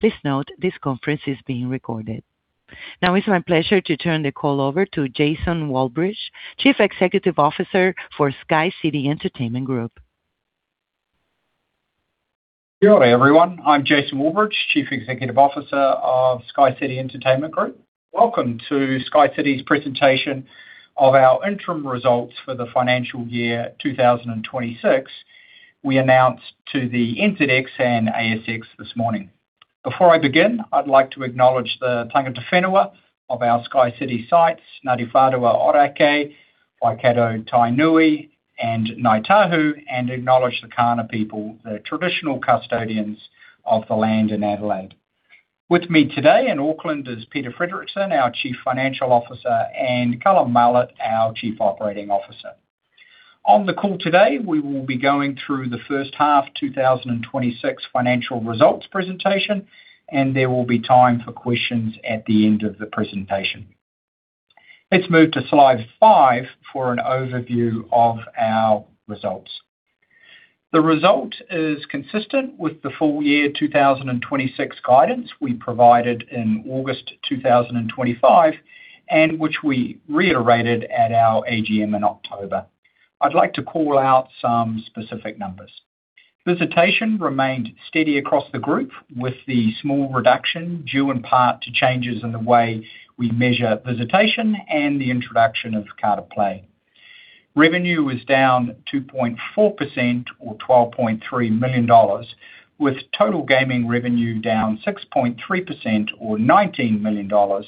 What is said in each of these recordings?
Please note, this conference is being recorded. Now it's my pleasure to turn the call over to Jason Walbridge, Chief Executive Officer for SkyCity Entertainment Group. Kia ora, everyone, I'm Jason Walbridge, Chief Executive Officer of SkyCity Entertainment Group. Welcome to SkyCity's presentation of our interim results for the financial year 2026. We announced to the NZX and ASX this morning. Before I begin, I'd like to acknowledge the tangata whenua of our SkyCity sites, Ngāti Whātua Ōrākei, Waikato-Tainui, and Ngāi Tahu, and acknowledge the Kaurna people, the traditional custodians of the land in Adelaide. With me today in Auckland is Peter Fredricson, our Chief Financial Officer, and Callum Mallett, our Chief Operating Officer. On the call today, we will be going through the first half 2026 financial results presentation, and there will be time for questions at the end of the presentation. Let's move to slide 5 for an overview of our results. The result is consistent with the full year 2026 guidance we provided in August 2025, and which we reiterated at our AGM in October. I'd like to call out some specific numbers. Visitation remained steady across the group, with the small reduction due in part to changes in the way we measure visitation and the introduction of carded play. Revenue was down 2.4% or 12.3 million dollars, with total gaming revenue down 6.3% or 19 million dollars,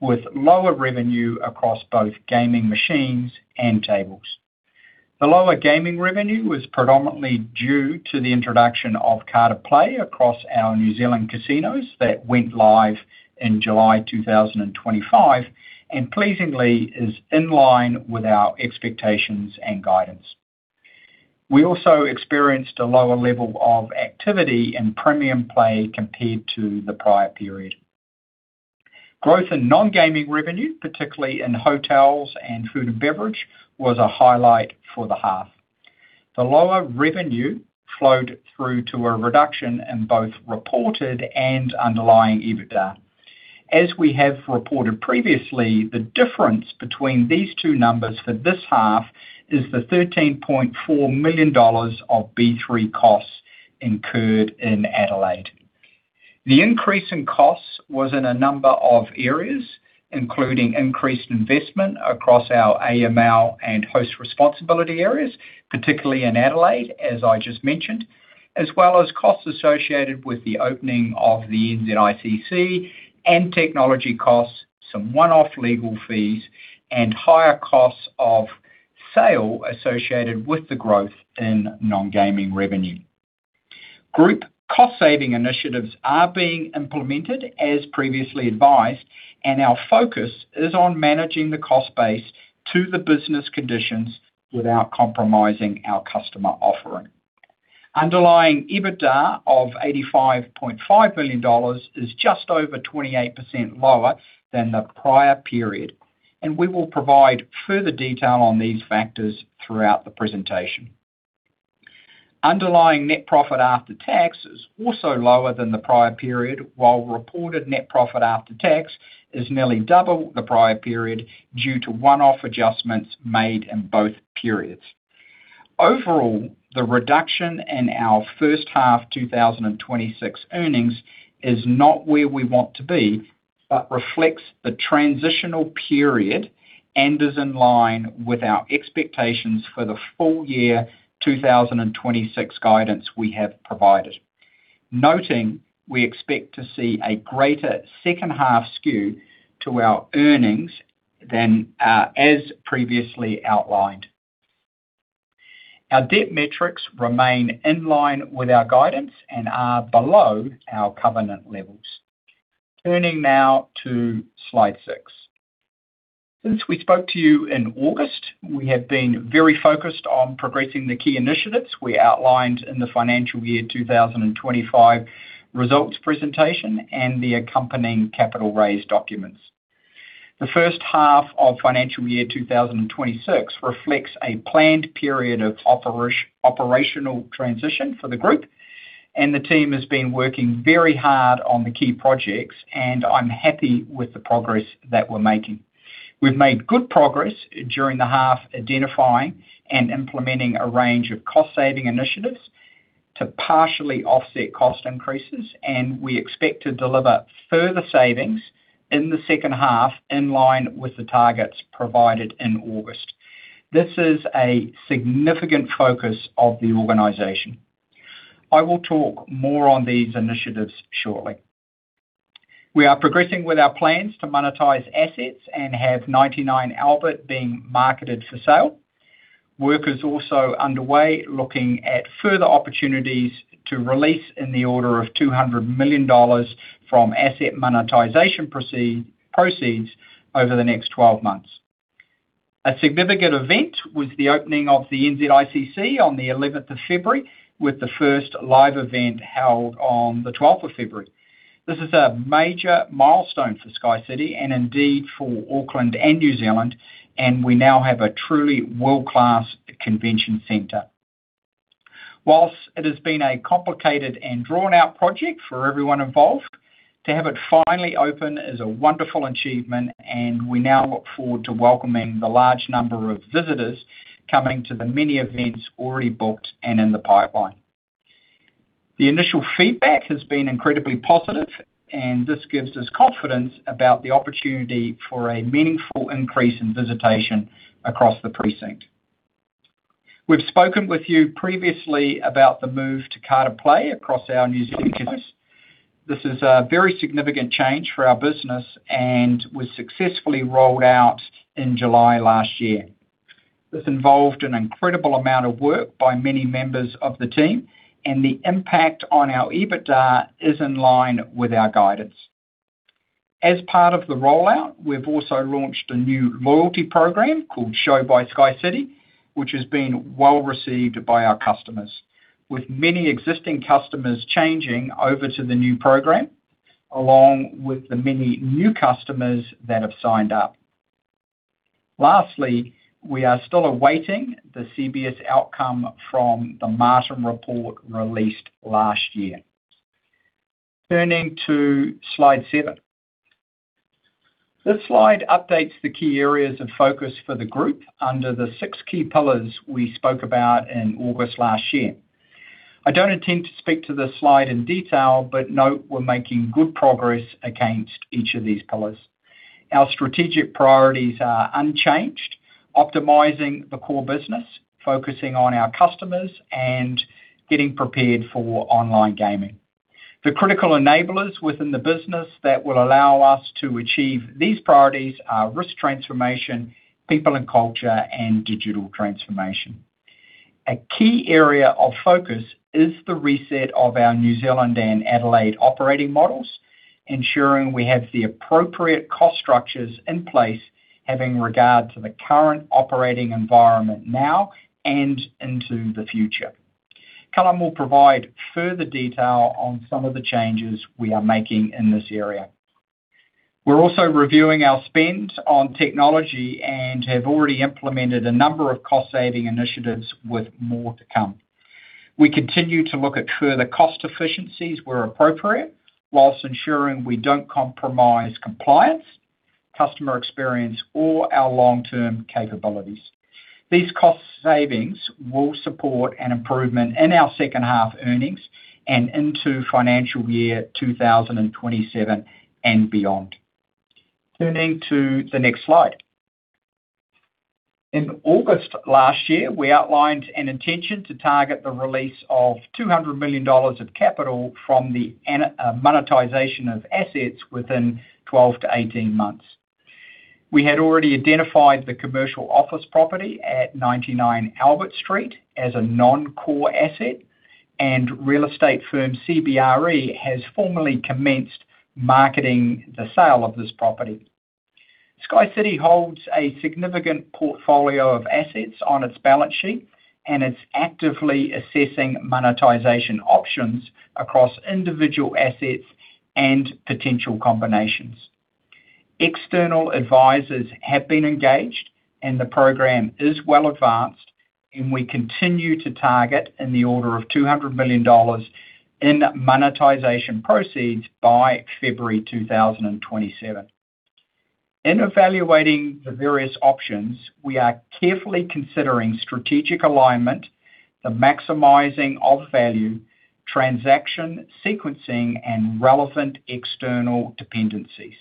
with lower revenue across both gaming machines and tables. The lower gaming revenue was predominantly due to the introduction of carded play across our New Zealand casinos that went live in July 2025, and pleasingly is in line with our expectations and guidance. We also experienced a lower level of activity in Premium Play compared to the prior period. Growth in non-gaming revenue, particularly in hotels and food and beverage, was a highlight for the half. The lower revenue flowed through to a reduction in both reported and underlying EBITDA. As we have reported previously, the difference between these two numbers for this half is the 13.4 million dollars of B3 costs incurred in Adelaide. The increase in costs was in a number of areas, including increased investment across our AML and Host Responsibility areas, particularly in Adelaide, as I just mentioned, as well as costs associated with the opening of the NZICC and technology costs, some one-off legal fees, and higher costs of sale associated with the growth in non-gaming revenue. Group cost-saving initiatives are being implemented as previously advised, and our focus is on managing the cost base to the business conditions without compromising our customer offering. Underlying EBITDA of 85.5 billion dollars is just over 28% lower than the prior period, and we will provide further detail on these factors throughout the presentation. Underlying net profit after tax is also lower than the prior period, while reported net profit after tax is nearly double the prior period due to one-off adjustments made in both periods. Overall, the reduction in our first half 2026 earnings is not where we want to be, but reflects the transitional period and is in line with our expectations for the full year 2026 guidance we have provided. Noting, we expect to see a greater second half skew to our earnings than as previously outlined. Our debt metrics remain in line with our guidance and are below our covenant levels. Turning now to slide six. Since we spoke to you in August, we have been very focused on progressing the key initiatives we outlined in the financial year 2025 results presentation and the accompanying capital raise documents. The first half of financial year 2026 reflects a planned period of operational transition for the group, and the team has been working very hard on the key projects, and I'm happy with the progress that we're making. We've made good progress during the half, identifying and implementing a range of cost-saving initiatives to partially offset cost increases, and we expect to deliver further savings in the second half, in line with the targets provided in August. This is a significant focus of the organization. I will talk more on these initiatives shortly. We are progressing with our plans to monetize assets and have 99 Albert being marketed for sale. Work is also underway, looking at further opportunities to release in the order of 200 million dollars from asset monetization proceeds over the next 12 months. A significant event was the opening of the NZICC on the 11th of February, with the first live event held on the 12th of February. This is a major milestone for SkyCity and indeed for Auckland and New Zealand, and we now have a truly world-class convention center. Whilst it has been a complicated and drawn-out project for everyone involved, to have it finally open is a wonderful achievement, and we now look forward to welcoming the large number of visitors coming to the many events already booked and in the pipeline. The initial feedback has been incredibly positive, and this gives us confidence about the opportunity for a meaningful increase in visitation across the precinct. We've spoken with you previously about the move to carded play across our New Zealand business. This is a very significant change for our business and was successfully rolled out in July last year. This involved an incredible amount of work by many members of the team, and the impact on our EBITDA is in line with our guidance. As part of the rollout, we've also launched a new loyalty program called SHOW by SkyCity, which has been well received by our customers, with many existing customers changing over to the new program, along with the many new customers that have signed up. Lastly, we are still awaiting the CBS outcome from the Martin report released last year. Turning to slide seven. This slide updates the key areas of focus for the group under the six key pillars we spoke about in August last year. I don't intend to speak to this slide in detail, but note we're making good progress against each of these pillars. Our strategic priorities are unchanged, optimizing the core business, focusing on our customers, and getting prepared for online gaming. The critical enablers within the business that will allow us to achieve these priorities are risk transformation, people and culture, and digital transformation. A key area of focus is the reset of our New Zealand and Adelaide operating models, ensuring we have the appropriate cost structures in place, having regard to the current operating environment now and into the future. Callum will provide further detail on some of the changes we are making in this area. We're also reviewing our spend on technology and have already implemented a number of cost-saving initiatives with more to come. We continue to look at further cost efficiencies where appropriate, while ensuring we don't compromise compliance, customer experience, or our long-term capabilities. These cost savings will support an improvement in our second half earnings and into financial year 2027 and beyond. Turning to the next slide. In August last year, we outlined an intention to target the release of 200 million dollars of capital from the monetization of assets within 12-18 months. We had already identified the commercial office property at 99 Albert Street as a non-core asset, and real estate firm CBRE has formally commenced marketing the sale of this property. SkyCity holds a significant portfolio of assets on its balance sheet, and it's actively assessing monetization options across individual assets and potential combinations. External advisors have been engaged, and the program is well advanced, and we continue to target in the order of 200 million dollars in monetization proceeds by February 2027. In evaluating the various options, we are carefully considering strategic alignment, the maximizing of value, transaction sequencing, and relevant external dependencies.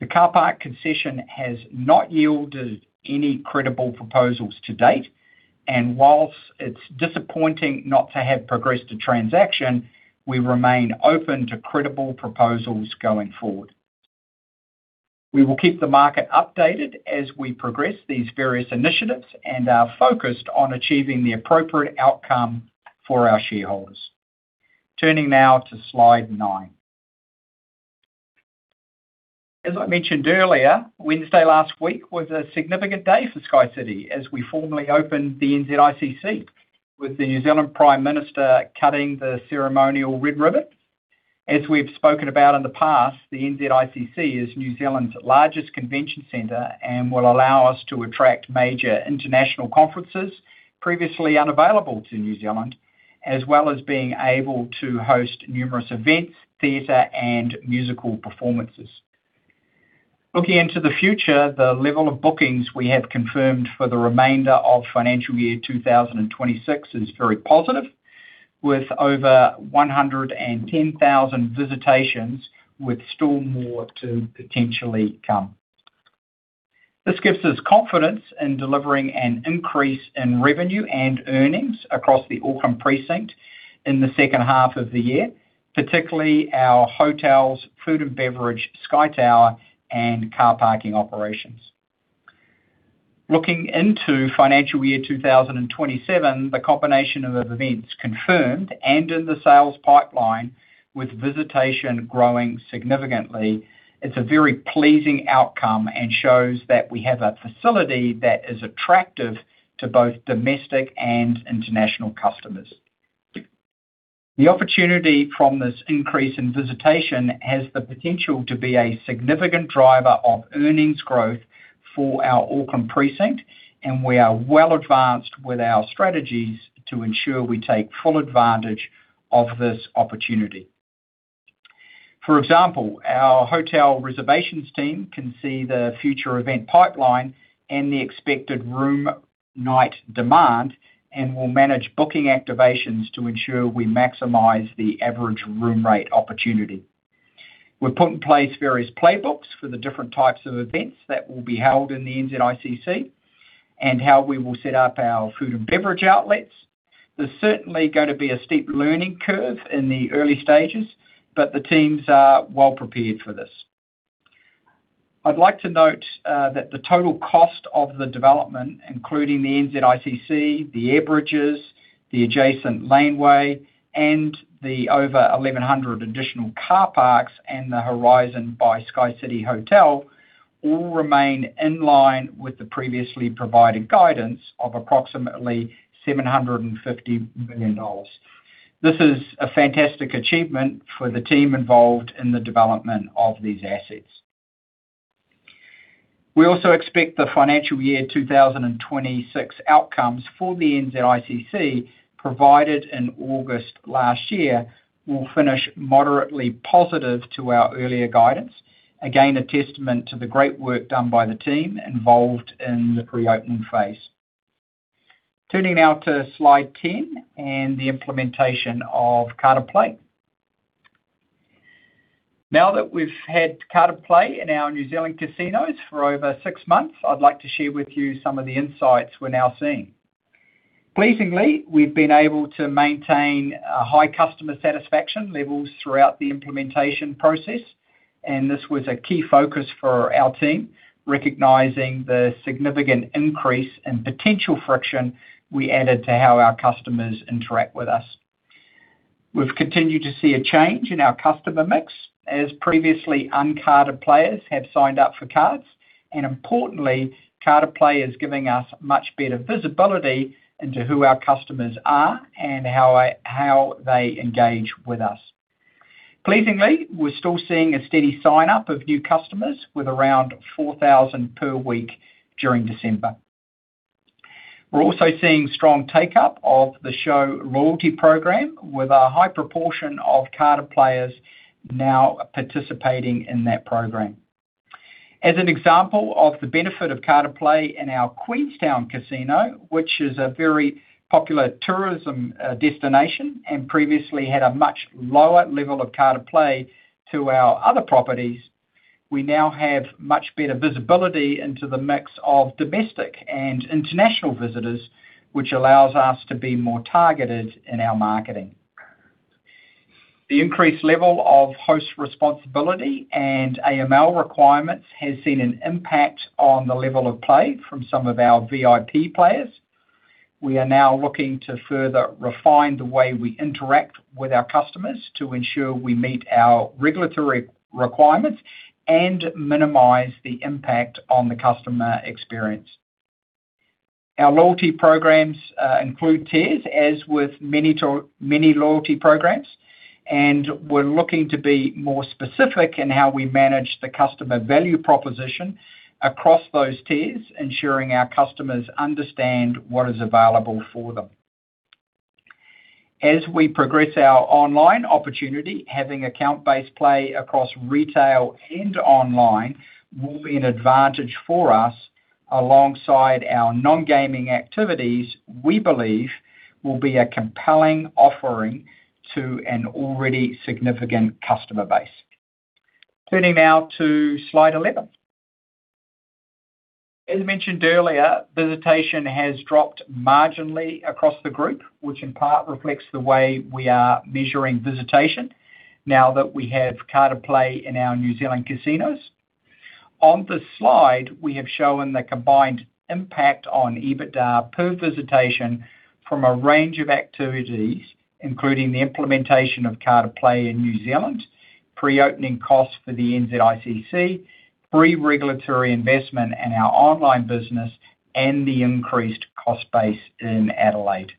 The car park concession has not yielded any credible proposals to date, and while it's disappointing not to have progressed a transaction, we remain open to credible proposals going forward. We will keep the market updated as we progress these various initiatives and are focused on achieving the appropriate outcome for our shareholders. Turning now to slide nine. As I mentioned earlier, Wednesday last week was a significant day for SkyCity as we formally opened the NZICC, with the New Zealand Prime Minister cutting the ceremonial red ribbon. As we've spoken about in the past, the NZICC is New Zealand's largest convention center and will allow us to attract major international conferences previously unavailable to New Zealand, as well as being able to host numerous events, theater, and musical performances. Looking into the future, the level of bookings we have confirmed for the remainder of financial year 2026 is very positive, with over 110,000 visitations, with still more to potentially come. This gives us confidence in delivering an increase in revenue and earnings across the Auckland precinct in the second half of the year, particularly our hotels, food and beverage, Sky Tower, and car parking operations. Looking into financial year 2027, the combination of events confirmed and in the sales pipeline, with visitation growing significantly, it's a very pleasing outcome and shows that we have a facility that is attractive to both domestic and international customers. The opportunity from this increase in visitation has the potential to be a significant driver of earnings growth for our Auckland precinct, and we are well advanced with our strategies to ensure we take full advantage of this opportunity. For example, our hotel reservations team can see the future event pipeline and the expected room night demand, and will manage booking activations to ensure we maximize the average room rate opportunity. We've put in place various playbooks for the different types of events that will be held in the NZICC, and how we will set up our food and beverage outlets. There's certainly going to be a steep learning curve in the early stages, but the teams are well prepared for this. I'd like to note that the total cost of the development, including the NZICC, the air bridges, the adjacent laneway, and the over 1,100 additional car parks, and the Horizon by SkyCity Hotel, all remain in line with the previously provided guidance of approximately 750 million dollars. This is a fantastic achievement for the team involved in the development of these assets. We also expect the financial year 2026 outcomes for the NZICC, provided in August last year, will finish moderately positive to our earlier guidance. Again, a testament to the great work done by the team involved in the pre-opening phase. Turning now to Slide 10, and the implementation of carded play. Now that we've had carded play in our New Zealand casinos for over six months, I'd like to share with you some of the insights we're now seeing. Pleasingly, we've been able to maintain high customer satisfaction levels throughout the implementation process, and this was a key focus for our team, recognizing the significant increase in potential friction we added to how our customers interact with us. We've continued to see a change in our customer mix, as previously uncarded players have signed up for cards. Importantly, carded play is giving us much better visibility into who our customers are and how they engage with us. Pleasingly, we're still seeing a steady sign-up of new customers with around 4,000 per week during December. We're also seeing strong take-up of the SHOW by SkyCity, with a high proportion of carded players now participating in that program. As an example of the benefit of carded play in our Queenstown Casino, which is a very popular tourism destination, and previously had a much lower level of carded play to our other properties, we now have much better visibility into the mix of domestic and international visitors, which allows us to be more targeted in our marketing. The increased level of host responsibility and AML requirements has seen an impact on the level of play from some of our VIP players. We are now looking to further refine the way we interact with our customers, to ensure we meet our regulatory requirements and minimize the impact on the customer experience. Our loyalty programs include tiers, as with many to many loyalty programs, and we're looking to be more specific in how we manage the customer value proposition across those tiers, ensuring our customers understand what is available for them. As we progress our online opportunity, having account-based play across retail and online, will be an advantage for us, alongside our nongaming activities, we believe will be a compelling offering to an already significant customer base. Turning now to slide 11. As mentioned earlier, visitation has dropped marginally across the group, which in part reflects the way we are measuring visitation now that we have carded play in our New Zealand casinos. On this slide, we have shown the combined impact on EBITDA per visitation from a range of activities, including the implementation of carded play in New Zealand, pre-opening costs for the NZICC, pre-regulatory investment in our online business, and the increased cost base in Adelaide.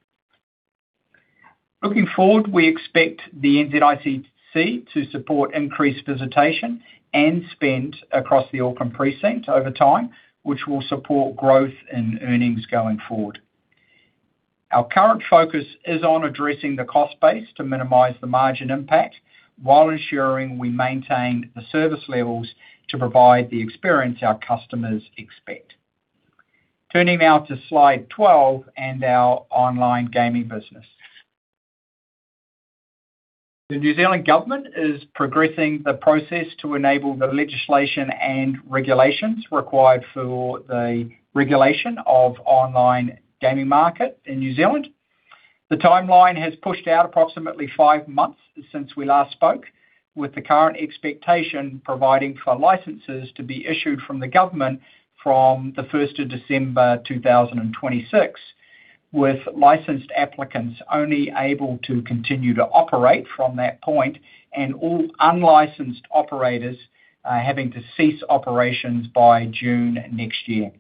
Looking forward, we expect the NZICC to support increased visitation and spend across the Auckland precinct over time, which will support growth and earnings going forward. Our current focus is on addressing the cost base to minimize the margin impact, while ensuring we maintain the service levels to provide the experience our customers expect. Turning now to slide 12, and our online gaming business. The New Zealand government is progressing the process to enable the legislation and regulations required for the regulation of online gaming market in New Zealand. The timeline has pushed out approximately five months since we last spoke, with the current expectation providing for licenses to be issued from the government from the first of December 2026, with licensed applicants only able to continue to operate from that point, and all unlicensed operators having to cease operations by June next year.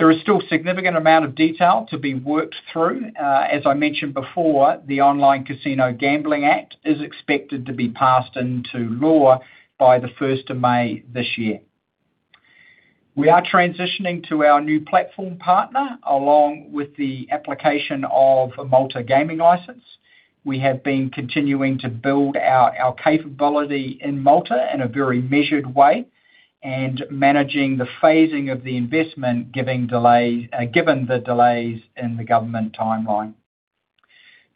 There is still a significant amount of detail to be worked through. As I mentioned before, the Online Casino Gambling Act is expected to be passed into law by the first of May this year. We are transitioning to our new platform partner, along with the application of a Malta gaming license. We have been continuing to build out our capability in Malta in a very measured way, and managing the phasing of the investment, given the delays in the government timeline.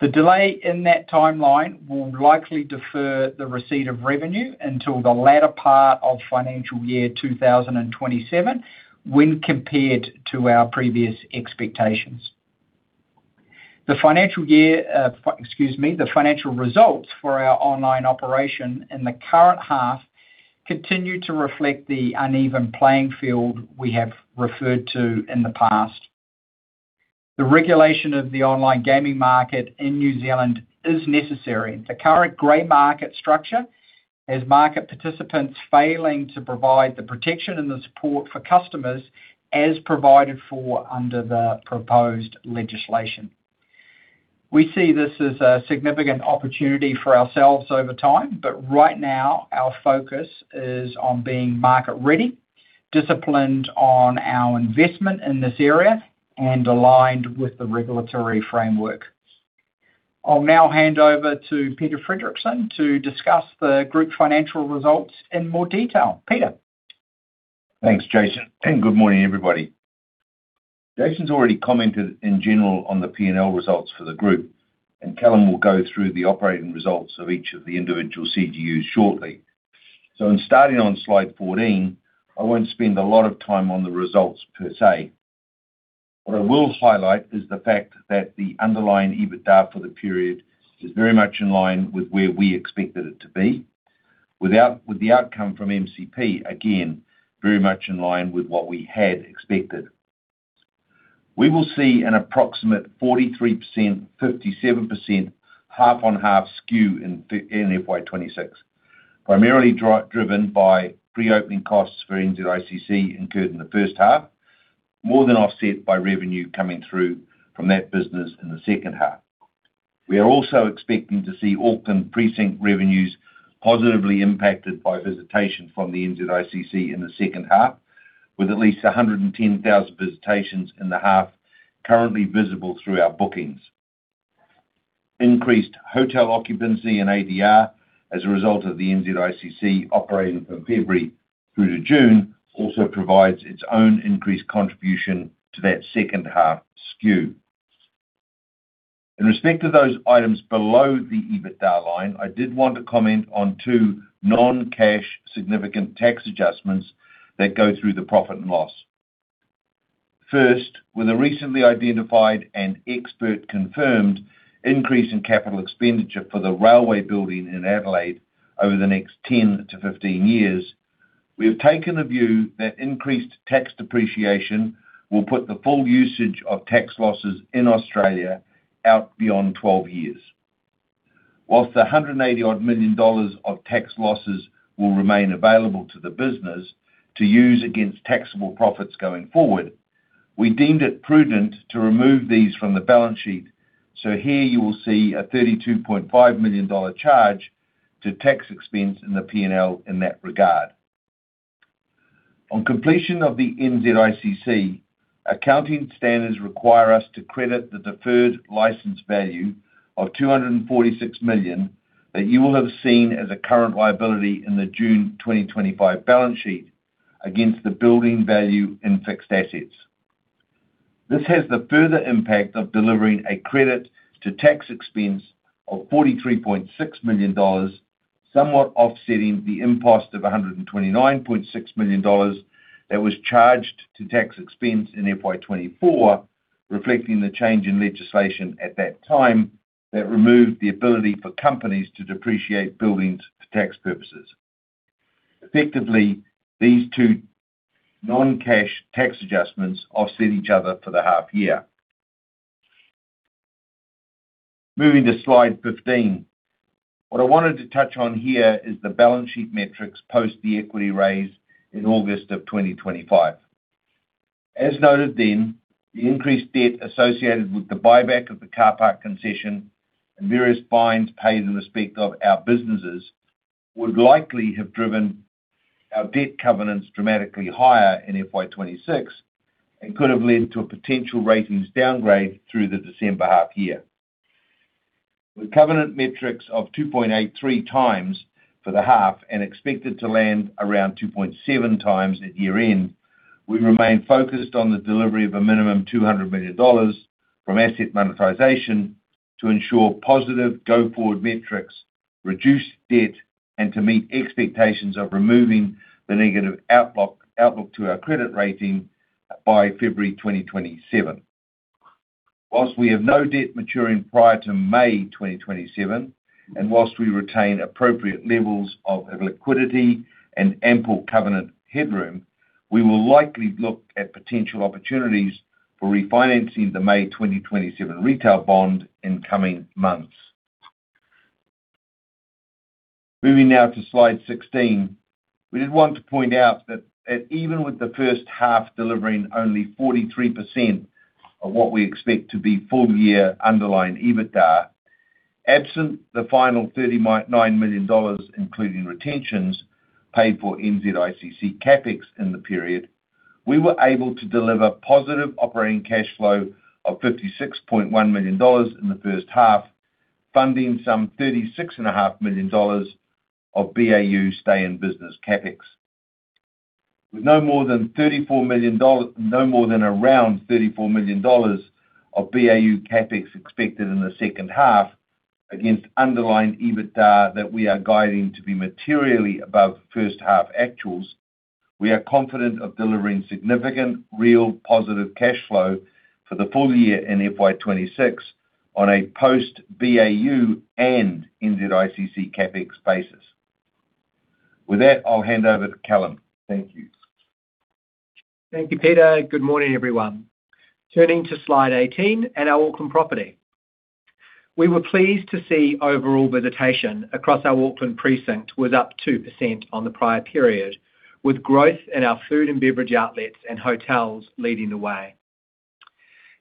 The delay in that timeline will likely defer the receipt of revenue until the latter part of financial year 2027, when compared to our previous expectations. The financial results for our online operation in the current half continue to reflect the uneven playing field we have referred to in the past. The regulation of the online gaming market in New Zealand is necessary. The current gray market structure, as market participants failing to provide the protection and the support for customers as provided for under the proposed legislation. We see this as a significant opportunity for ourselves over time, but right now, our focus is on being market-ready, disciplined on our investment in this area, and aligned with the regulatory framework. I'll now hand over to Peter Fredricson to discuss the group financial results in more detail. Peter? Thanks, Jason, and good morning, everybody. Jason's already commented in general on the P&L results for the group, and Callum will go through the operating results of each of the individual CGUs shortly. So in starting on Slide 14, I won't spend a lot of time on the results per se. What I will highlight is the fact that the underlying EBITDA for the period is very much in line with where we expected it to be. With the outcome from MCP, again, very much in line with what we had expected. We will see an approximate 43%, 57% half-on-half skew in FY 2026, primarily driven by pre-opening costs for NZICC, incurred in the first half, more than offset by revenue coming through from that business in the second half. We are also expecting to see Auckland precinct revenues positively impacted by visitation from the NZICC in the second half, with at least 110,000 visitations in the half, currently visible through our bookings. Increased hotel occupancy and ADR as a result of the NZICC operating from February through to June, also provides its own increased contribution to that second half skew. In respect to those items below the EBITDA line, I did want to comment on two non-cash, significant tax adjustments that go through the profit and loss. First, with a recently identified and expert-confirmed increase in capital expenditure for the railway building in Adelaide over the next 10-15 years, we have taken the view that increased tax depreciation will put the full usage of tax losses in Australia out beyond 12 years. While the 180-odd million dollars of tax losses will remain available to the business to use against taxable profits going forward, we deemed it prudent to remove these from the balance sheet. So here you will see a 32.5 million dollar charge to tax expense in the P&L in that regard. On completion of the NZICC, accounting standards require us to credit the deferred license value of 246 million, that you will have seen as a current liability in the June 2025 balance sheet, against the building value in fixed assets. This has the further impact of delivering a credit to tax expense of 43.6 million dollars, somewhat offsetting the impost of 129.6 million dollars that was charged to tax expense in FY 2024, reflecting the change in legislation at that time, that removed the ability for companies to depreciate buildings for tax purposes. Effectively, these two non-cash tax adjustments offset each other for the half year. Moving to Slide 15. What I wanted to touch on here is the balance sheet metrics post the equity raise in August 2025. As noted then, the increased debt associated with the buyback of the car park concession and various fines paid in respect of our businesses, would likely have driven our debt covenants dramatically higher in FY 2026, and could have led to a potential ratings downgrade through the December half year. With covenant metrics of 2.83x for the half and expected to land around 2.7x at year-end, we remain focused on the delivery of a minimum 200 million dollars from asset monetization to ensure positive go-forward metrics, reduce debt, and to meet expectations of removing the negative outlook to our credit rating by February 2027. Whilst we have no debt maturing prior to May 2027, and whilst we retain appropriate levels of liquidity and ample covenant headroom, we will likely look at potential opportunities for refinancing the May 2027 retail bond in coming months. Moving now to slide 16. We did want to point out that even with the first half delivering only 43% of what we expect to be full-year underlying EBITDA, absent the final 39 million dollars, including retentions, paid for NZICC CapEx in the period, we were able to deliver positive operating cash flow of 56.1 million dollars in the first half, funding some 36.5 million dollars of BAU stay-in-business CapEx. With no more than around NZD 34 million of BAU CapEx expected in the second half, against underlying EBITDA that we are guiding to be materially above first half actuals, we are confident of delivering significant real positive cash flow for the full year in FY 2026 on a post-BAU and NZICC CapEx basis. With that, I'll hand over to Callum. Thank you. Thank you, Peter. Good morning, everyone. Turning to slide 18 and our Auckland property. We were pleased to see overall visitation across our Auckland precinct was up 2% on the prior period, with growth in our food and beverage outlets and hotels leading the way.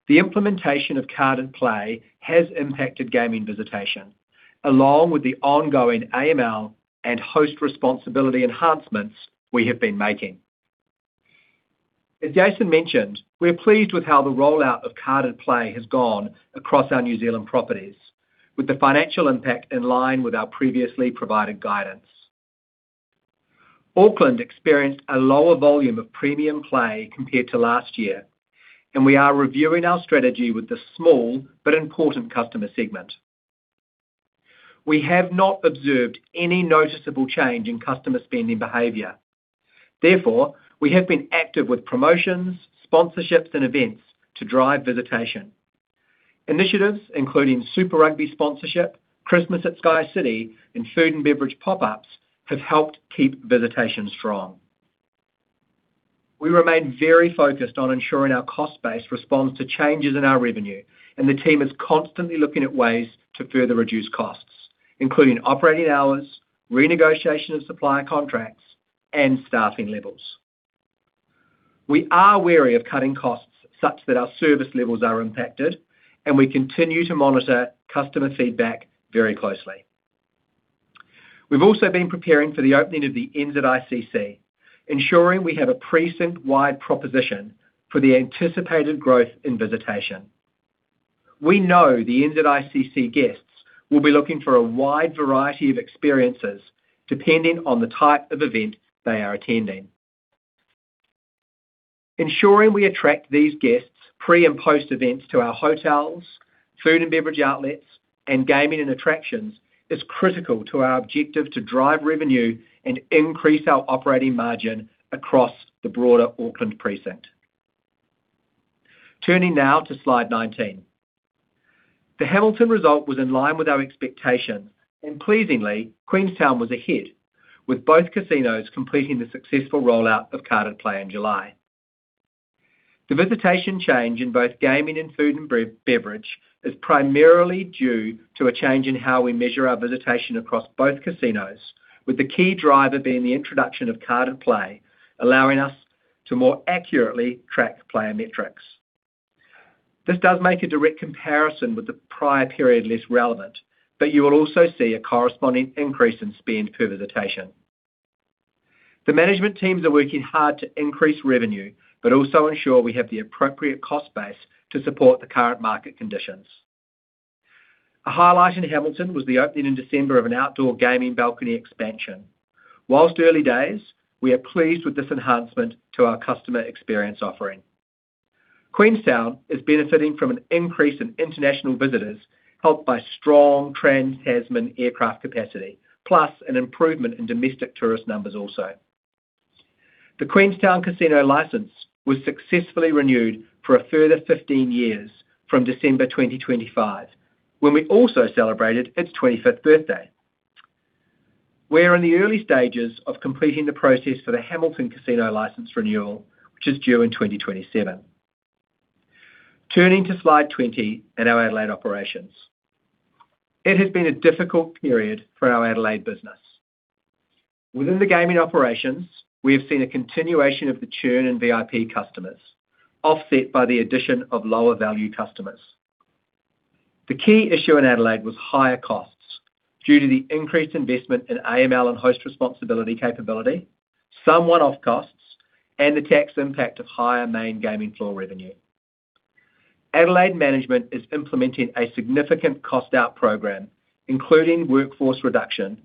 The implementation of carded play has impacted gaming visitation, along with the ongoing AML and host responsibility enhancements we have been making. As Jason mentioned, we are pleased with how the rollout of carded play has gone across our New Zealand properties, with the financial impact in line with our previously provided guidance. Auckland experienced a lower volume of premium play compared to last year, and we are reviewing our strategy with this small but important customer segment. We have not observed any noticeable change in customer spending behavior. Therefore, we have been active with promotions, sponsorships, and events to drive visitation. Initiatives including Super Rugby sponsorship, Christmas at SkyCity, and food and beverage pop-ups have helped keep visitation strong. We remain very focused on ensuring our cost base responds to changes in our revenue, and the team is constantly looking at ways to further reduce costs, including operating hours, renegotiation of supplier contracts, and staffing levels. We are wary of cutting costs such that our service levels are impacted, and we continue to monitor customer feedback very closely. We've also been preparing for the opening of the NZICC, ensuring we have a precinct-wide proposition for the anticipated growth in visitation. We know the NZICC guests will be looking for a wide variety of experiences, depending on the type of event they are attending. Ensuring we attract these guests pre- and post-events to our hotels, food and beverage outlets, and gaming and attractions is critical to our objective to drive revenue and increase our operating margin across the broader Auckland precinct. Turning now to slide 19. The Hamilton result was in line with our expectations, and pleasingly, Queenstown was a hit, with both casinos completing the successful rollout of carded play in July. The visitation change in both gaming and food and beverage is primarily due to a change in how we measure our visitation across both casinos, with the key driver being the introduction of carded play, allowing us to more accurately track player metrics. This does make a direct comparison with the prior period less relevant, but you will also see a corresponding increase in spend per visitation. The management teams are working hard to increase revenue, but also ensure we have the appropriate cost base to support the current market conditions. A highlight in Hamilton was the opening in December of an outdoor gaming balcony expansion. While early days, we are pleased with this enhancement to our customer experience offering. Queenstown is benefiting from an increase in international visitors, helped by strong trans-Tasman aircraft capacity, plus an improvement in domestic tourist numbers also. The Queenstown Casino license was successfully renewed for a further 15 years from December 2025, when we also celebrated its 25th birthday. We are in the early stages of completing the process for the Hamilton casino license renewal, which is due in 2027. Turning to slide 20 and our Adelaide operations. It has been a difficult period for our Adelaide business. Within the gaming operations, we have seen a continuation of the churn in VIP customers, offset by the addition of lower-value customers. The key issue in Adelaide was higher costs due to the increased investment in AML and host responsibility capability, some one-off costs, and the tax impact of higher main gaming floor revenue. Adelaide management is implementing a significant cost-out program, including workforce reduction,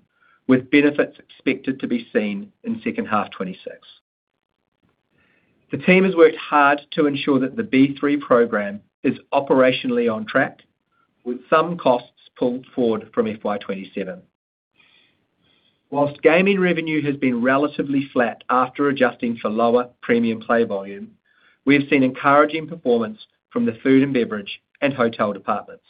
with benefits expected to be seen in second half 2026. The team has worked hard to ensure that the B3 program is operationally on track, with some costs pulled forward from FY 2027. While gaming revenue has been relatively flat after adjusting for lower premium play volume, we have seen encouraging performance from the food and beverage and hotel departments.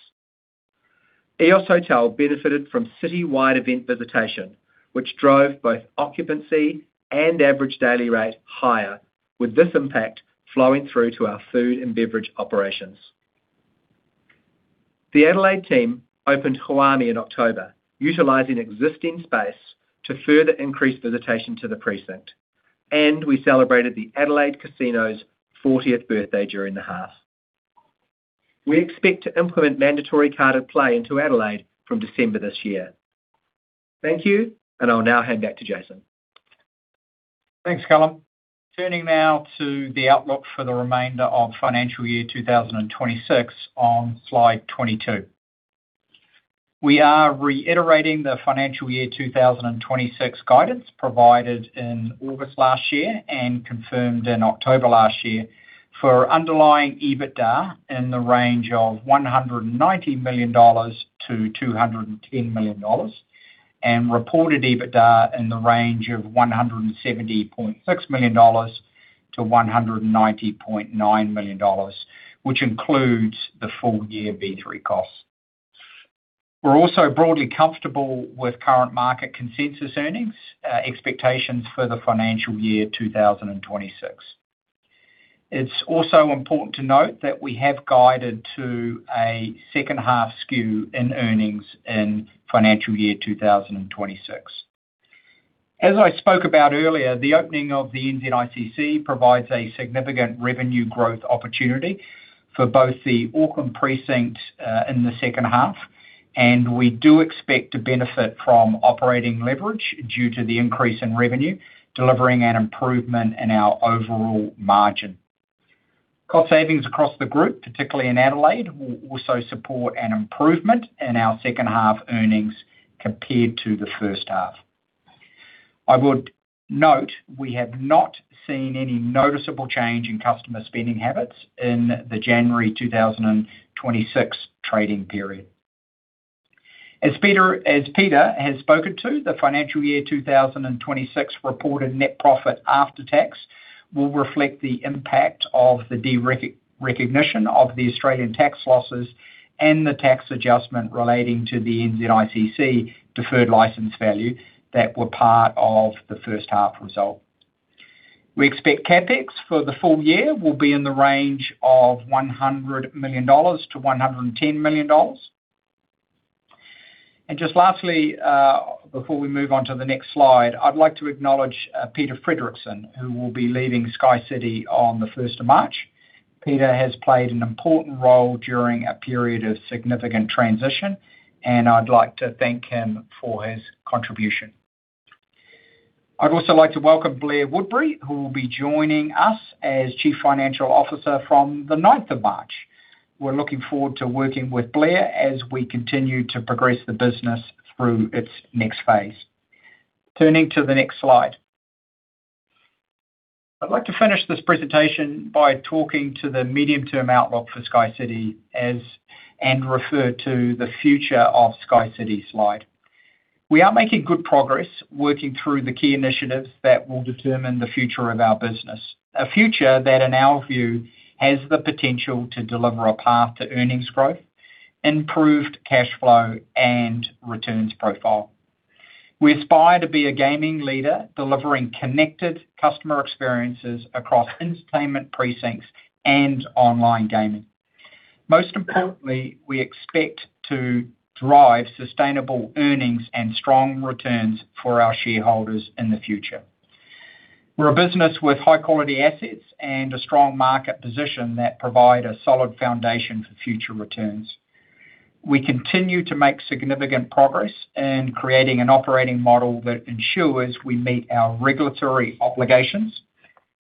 Eos hotel benefited from citywide event visitation, which drove both occupancy and average daily rate higher, with this impact flowing through to our food and beverage operations... The Adelaide team opened Huami in October, utilizing existing space to further increase visitation to the precinct, and we celebrated the Adelaide Casino's fortieth birthday during the half. We expect to implement mandatory carded play into Adelaide from December this year. Thank you, and I'll now hand back to Jason. Thanks, Callum. Turning now to the outlook for the remainder of financial year 2026 on slide 22. We are reiterating the financial year 2026 guidance provided in August last year and confirmed in October last year for underlying EBITDA in the range of 190 million-210 million dollars, and reported EBITDA in the range of 170.6 million-190.9 million dollars, which includes the full year B3 costs. We're also broadly comfortable with current market consensus earnings expectations for the financial year 2026. It's also important to note that we have guided to a second half skew in earnings in financial year 2026. As I spoke about earlier, the opening of the NZICC provides a significant revenue growth opportunity for both the Auckland precinct in the second half, and we do expect to benefit from operating leverage due to the increase in revenue, delivering an improvement in our overall margin. Cost savings across the group, particularly in Adelaide, will also support an improvement in our second half earnings compared to the first half. I would note, we have not seen any noticeable change in customer spending habits in the January 2026 trading period. As Peter, as Peter has spoken to, the financial year 2026 reported net profit after tax will reflect the impact of the de-recognition of the Australian tax losses and the tax adjustment relating to the NZICC deferred license value that were part of the first half result. We expect CapEx for the full year will be in the range of 100 million-110 million dollars. Just lastly, before we move on to the next slide, I'd like to acknowledge Peter Fredricson, who will be leaving SkyCity on the first of March. Peter has played an important role during a period of significant transition, and I'd like to thank him for his contribution. I'd also like to welcome Blair Woodbury, who will be joining us as Chief Financial Officer from the ninth of March. We're looking forward to working with Blair as we continue to progress the business through its next phase. Turning to the next slide. I'd like to finish this presentation by talking to the medium-term outlook for SkyCity as-- and refer to the future of SkyCity slide. We are making good progress working through the key initiatives that will determine the future of our business. A future that, in our view, has the potential to deliver a path to earnings growth, improved cash flow, and returns profile. We aspire to be a gaming leader, delivering connected customer experiences across entertainment precincts and online gaming. Most importantly, we expect to drive sustainable earnings and strong returns for our shareholders in the future. We're a business with high-quality assets and a strong market position that provide a solid foundation for future returns. We continue to make significant progress in creating an operating model that ensures we meet our regulatory obligations,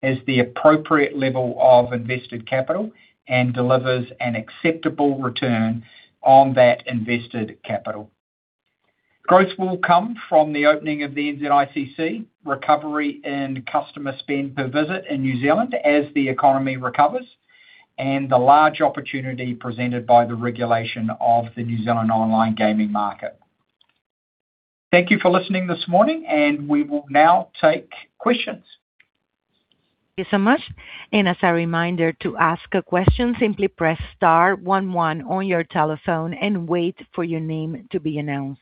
as the appropriate level of invested capital, and delivers an acceptable return on that invested capital. Growth will come from the opening of the NZICC, recovery and customer spend per visit in New Zealand as the economy recovers, and the large opportunity presented by the regulation of the New Zealand online gaming market. Thank you for listening this morning, and we will now take questions. Thank you so much. As a reminder, to ask a question, simply press star one one on your telephone and wait for your name to be announced.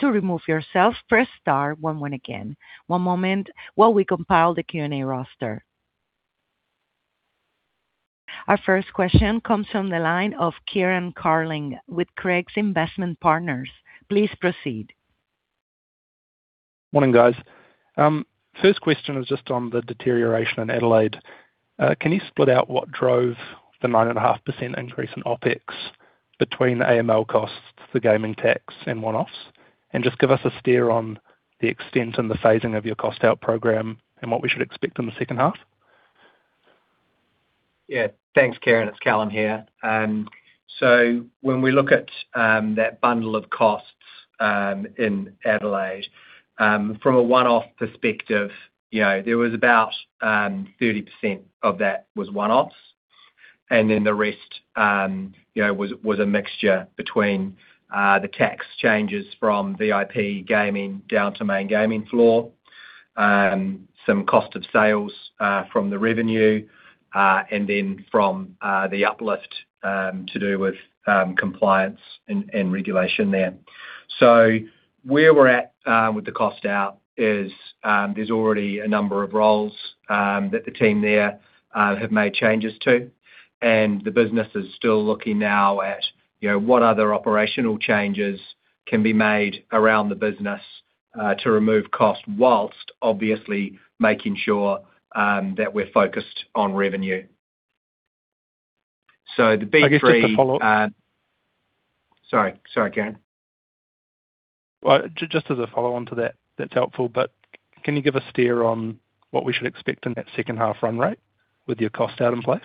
To remove yourself, press star one one again. One moment while we compile the Q&A roster. Our first question comes from the line of Kieran Carling with Craigs Investment Partners. Please proceed. Morning, guys. First question is just on the deterioration in Adelaide. Can you split out what drove the 9.5% increase in OpEx between the AML costs, the gaming tax, and one-offs? And just give us a steer on the extent and the phasing of your cost out program and what we should expect in the second half. Yeah. Thanks, Kieran. It's Callum here. So when we look at that bundle of costs in Adelaide from a one-off perspective, you know, there was about 30% of that was one-offs, and then the rest, you know, was a mixture between the tax changes from VIP gaming down to main gaming floor, some cost of sales from the revenue, and then from the uplift to do with compliance and regulation there. So where we're at with the cost out is, there's already a number of roles that the team there have made changes to, and the business is still looking now at, you know, what other operational changes can be made around the business to remove cost, whilst obviously making sure that we're focused on revenue. So the B3. I guess just to follow up. Sorry. Sorry, Kieran. Well, just as a follow-on to that, that's helpful, but can you give a steer on what we should expect in that second half run rate with your cost out in place?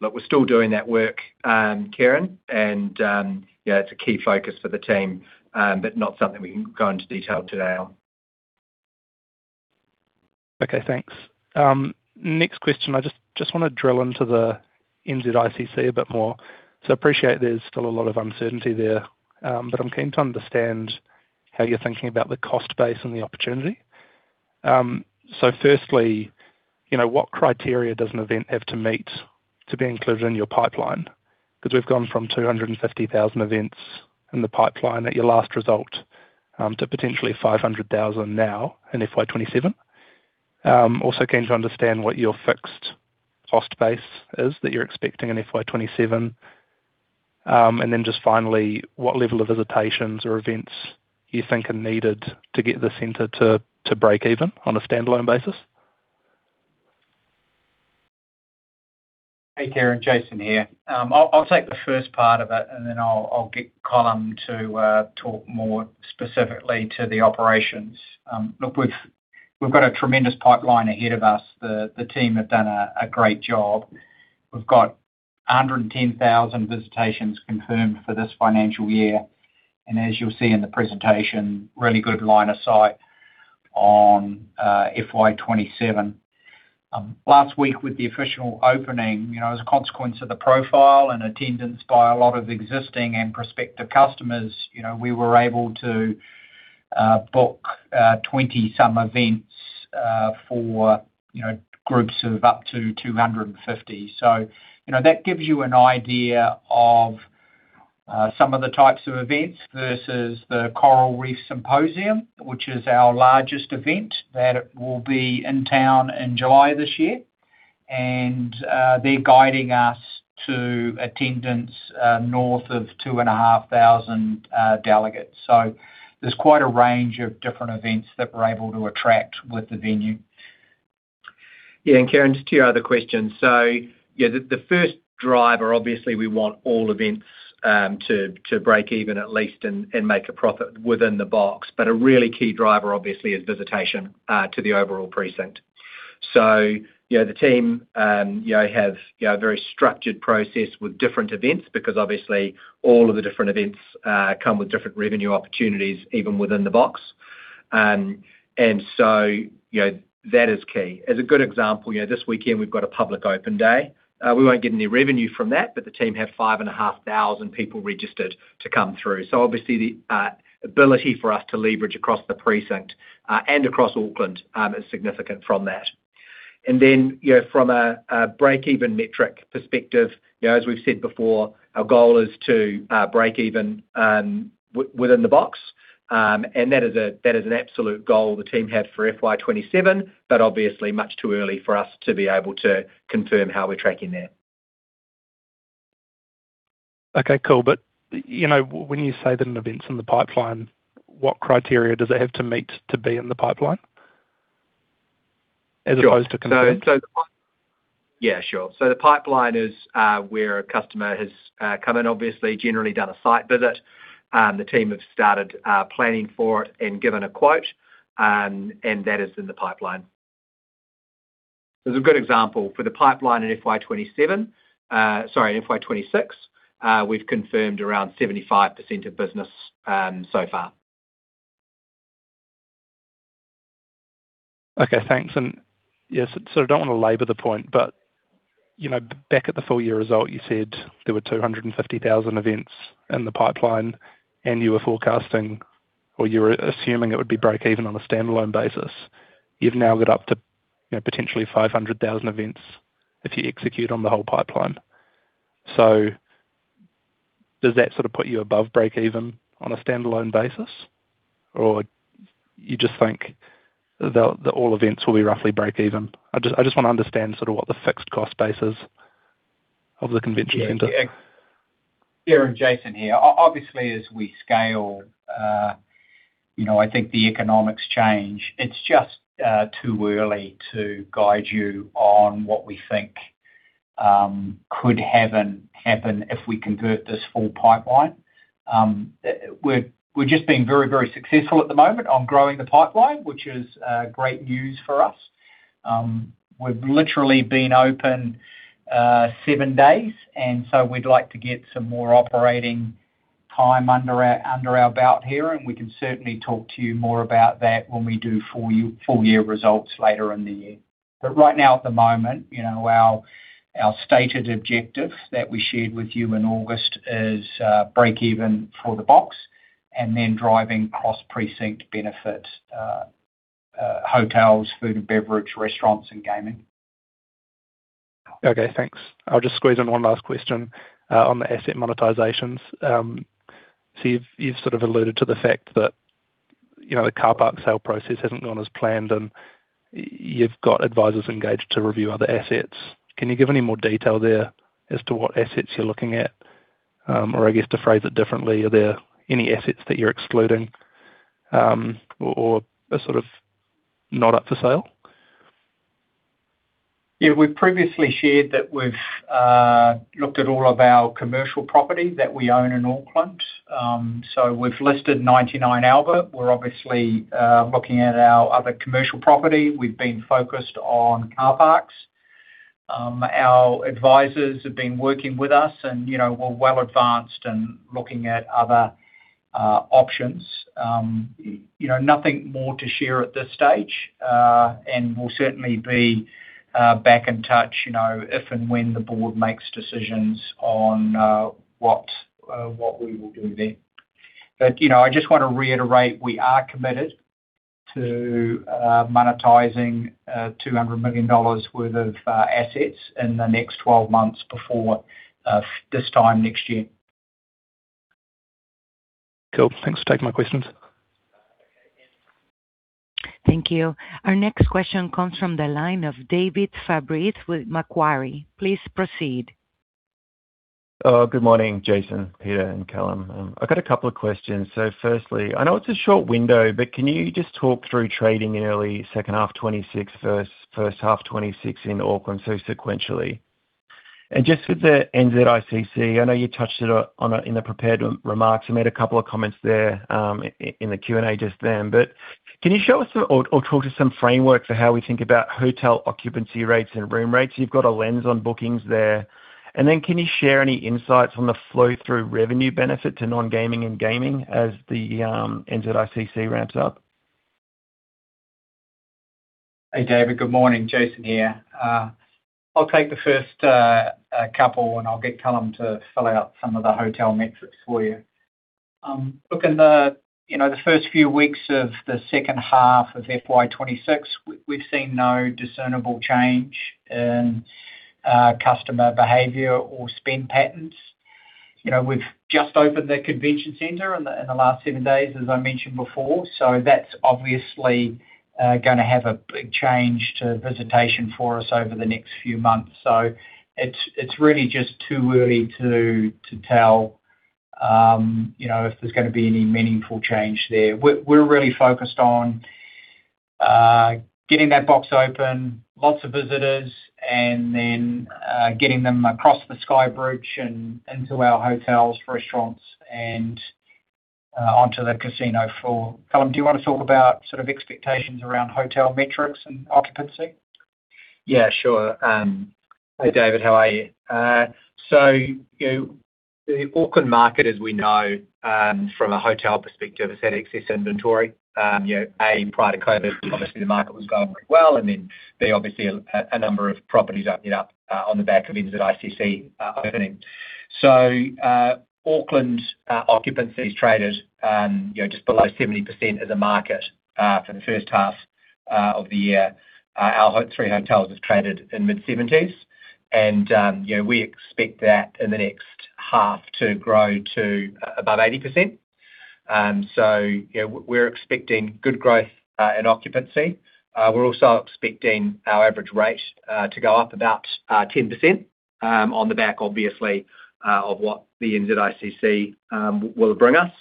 Look, we're still doing that work, Kieran, and yeah, it's a key focus for the team, but not something we can go into detail today on. Okay, thanks. Next question. I just wanna drill into the NZICC a bit more. So I appreciate there's still a lot of uncertainty there, but I'm keen to understand how you're thinking about the cost base and the opportunity. So firstly, you know, what criteria does an event have to meet to be included in your pipeline? 'Cause we've gone from 250,000 events in the pipeline at your last result to potentially 500,000 now in FY 2027. Also keen to understand what your fixed cost base is that you're expecting in FY 2027. And then just finally, what level of visitations or events you think are needed to get the center to break even on a standalone basis? Hey, Kieran. Jason here. I'll take the first part of it, and then I'll get Callum to talk more specifically to the operations. Look, we've got a tremendous pipeline ahead of us. The team have done a great job. We've got 110,000 visitations confirmed for this financial year, and as you'll see in the presentation, really good line of sight on FY 2027. Last week with the official opening, you know, as a consequence of the profile and attendance by a lot of existing and prospective customers, you know, we were able to book 20-some events for groups of up to 250. So, you know, that gives you an idea of, some of the types of events versus the Coral Reef Symposium, which is our largest event, that it will be in town in July this year. And, they're guiding us to attendance, north of 2,500 delegates. So there's quite a range of different events that we're able to attract with the venue. Yeah, and Kieran, just to your other question, so yeah, the first driver, obviously, we want all events to break even at least and make a profit within the box. But a really key driver, obviously, is visitation to the overall precinct. So, you know, the team, you know, have a very structured process with different events because obviously all of the different events come with different revenue opportunities, even within the box. And so, you know, that is key. As a good example, you know, this weekend we've got a public open day. We won't get any revenue from that, but the team have 5,500 people registered to come through. So obviously the ability for us to leverage across the precinct and across Auckland is significant from that. Then, you know, from a break-even metric perspective, you know, as we've said before, our goal is to break even within the box. And that is that is an absolute goal the team had for FY 2027, but obviously much too early for us to be able to confirm how we're tracking that. Okay, cool. But, you know, when you say that an event's in the pipeline, what criteria does it have to meet to be in the pipeline as opposed to confirmed? Yeah, sure. The pipeline is where a customer has come in, obviously, generally done a site visit. The team have started planning for it and given a quote, and that is in the pipeline. As a good example, for the pipeline in FY 2027, sorry, in FY 2026, we've confirmed around 75% of business so far. Okay, thanks. And yes, so I don't want to labor the point, but, you know, back at the full year result, you said there were 250,000 events in the pipeline, and you were forecasting, or you were assuming it would be break even on a standalone basis. You've now got up to, you know, potentially 500,000 events if you execute on the whole pipeline. So does that sort of put you above break even on a standalone basis, or you just think that, that all events will be roughly break even? I just, I just want to understand sort of what the fixed cost base is of the convention center. Yeah, Kieran, Jason here. Obviously, as we scale, you know, I think the economics change. It's just too early to guide you on what we think could happen if we convert this full pipeline. We're just being very, very successful at the moment on growing the pipeline, which is great news for us. We've literally been open seven days, and so we'd like to get some more operating time under our belt here, and we can certainly talk to you more about that when we do full year results later in the year. But right now, at the moment, you know, our stated objective that we shared with you in August is break even for the box and then driving across precinct benefit, hotels, food and beverage, restaurants, and gaming. Okay, thanks. I'll just squeeze in one last question on the asset monetizations. So you've sort of alluded to the fact that, you know, the car park sale process hasn't gone as planned, and you've got advisors engaged to review other assets. Can you give any more detail there as to what assets you're looking at? Or I guess to phrase it differently, are there any assets that you're excluding, or are sort of not up for sale? Yeah, we've previously shared that we've looked at all of our commercial property that we own in Auckland. So we've listed 99 Albert. We're obviously looking at our other commercial property. We've been focused on car parks. Our advisors have been working with us, and, you know, we're well advanced in looking at other options. You know, nothing more to share at this stage. And we'll certainly be back in touch, you know, if and when the board makes decisions on what we will do then. But, you know, I just want to reiterate, we are committed to monetizing 200 million dollars worth of assets in the next 12 months before this time next year. Cool. Thanks for taking my questions. Thank you. Our next question comes from the line of David Fabris with Macquarie. Please proceed. Good morning, Jason, Peter, and Callum. I've got a couple of questions. So firstly, I know it's a short window, but can you just talk through trading in early second half 2026, first half 2026 in Auckland, so sequentially? And just with the NZICC, I know you touched it on in the prepared remarks. You made a couple of comments there in the Q&A just then. But can you show us or talk to some framework for how we think about hotel occupancy rates and room rates? You've got a lens on bookings there. And then can you share any insights on the flow-through revenue benefit to non-gaming and gaming as the NZICC ramps up? Hey, David. Good morning, Jason here. I'll take the first couple, and I'll get Callum to fill out some of the hotel metrics for you. Look, in the, you know, the first few weeks of the second half of FY 2026, we've seen no discernible change in customer behavior or spend patterns. You know, we've just opened the convention center in the last seven days, as I mentioned before, so that's obviously gonna have a big change to visitation for us over the next few months. So it's really just too early to tell, you know, if there's gonna be any meaningful change there. We're really focused on getting that box open, lots of visitors, and then getting them across the Sky Bridge and into our hotels, restaurants, and onto the casino floor. Callum, do you want to talk about sort of expectations around hotel metrics and occupancy? Yeah, sure. Hi, David, how are you? So, you know, the Auckland market, as we know, from a hotel perspective, has had excess inventory. You know, A, prior to COVID, obviously, the market was going pretty well, and then, B, obviously a number of properties opened up, on the back of NZICC opening. So, Auckland occupancy has traded, you know, just below 70% as a market, for the first half of the year. Our three hotels has traded in mid-70s and, you know, we expect that in the next half to grow to, above 80%. So yeah, we're expecting good growth, in occupancy. We're also expecting our average rate to go up about 10% on the back, obviously, of what the NZICC will bring us.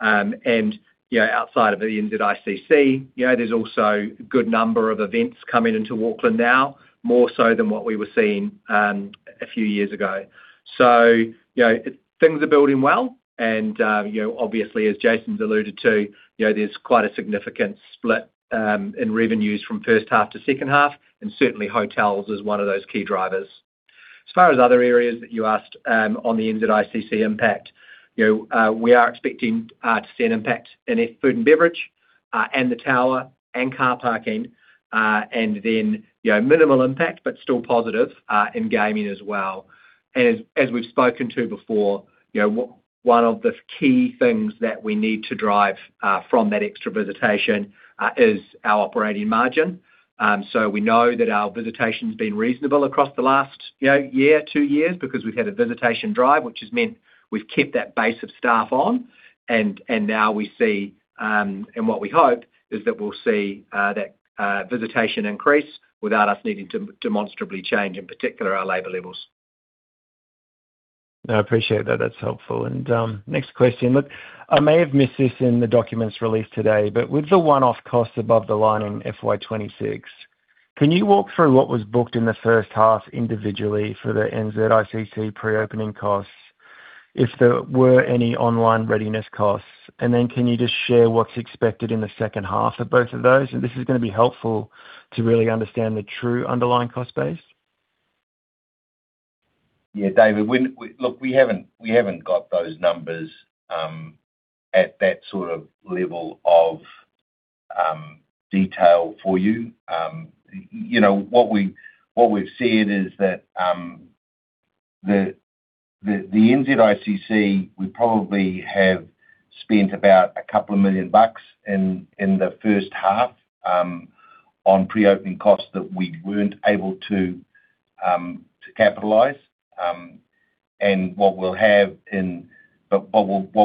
And, you know, outside of the NZICC, you know, there's also a good number of events coming into Auckland now, more so than what we were seeing a few years ago. So, you know, things are building well, and, you know, obviously, as Jason's alluded to, you know, there's quite a significant split in revenues from first half to second half, and certainly hotels is one of those key drivers. As far as other areas that you asked, on the NZICC impact, you know, we are expecting to see an impact in our food and beverage, and the tower, and car parking, and then, you know, minimal impact, but still positive, in gaming as well. And as we've spoken to before, you know, one of the key things that we need to drive from that extra visitation is our operating margin. So we know that our visitation's been reasonable across the last, you know, year, two years, because we've had a visitation drive, which has meant we've kept that base of staff on. And now we see, and what we hope is that we'll see that visitation increase without us needing to demonstrably change, in particular, our labor levels. I appreciate that. That's helpful. And, next question. Look, I may have missed this in the documents released today, but with the one-off costs above the line in FY 2026, can you walk through what was booked in the first half individually for the NZICC pre-opening costs, if there were any online readiness costs? And then can you just share what's expected in the second half of both of those? And this is gonna be helpful to really understand the true underlying cost base. Yeah, David, look, we haven't got those numbers at that sort of level of detail for you. You know, what we've seen is that the NZICC, we probably have spent about a couple of million bucks in the first half on pre-opening costs that we weren't able to capitalize. But what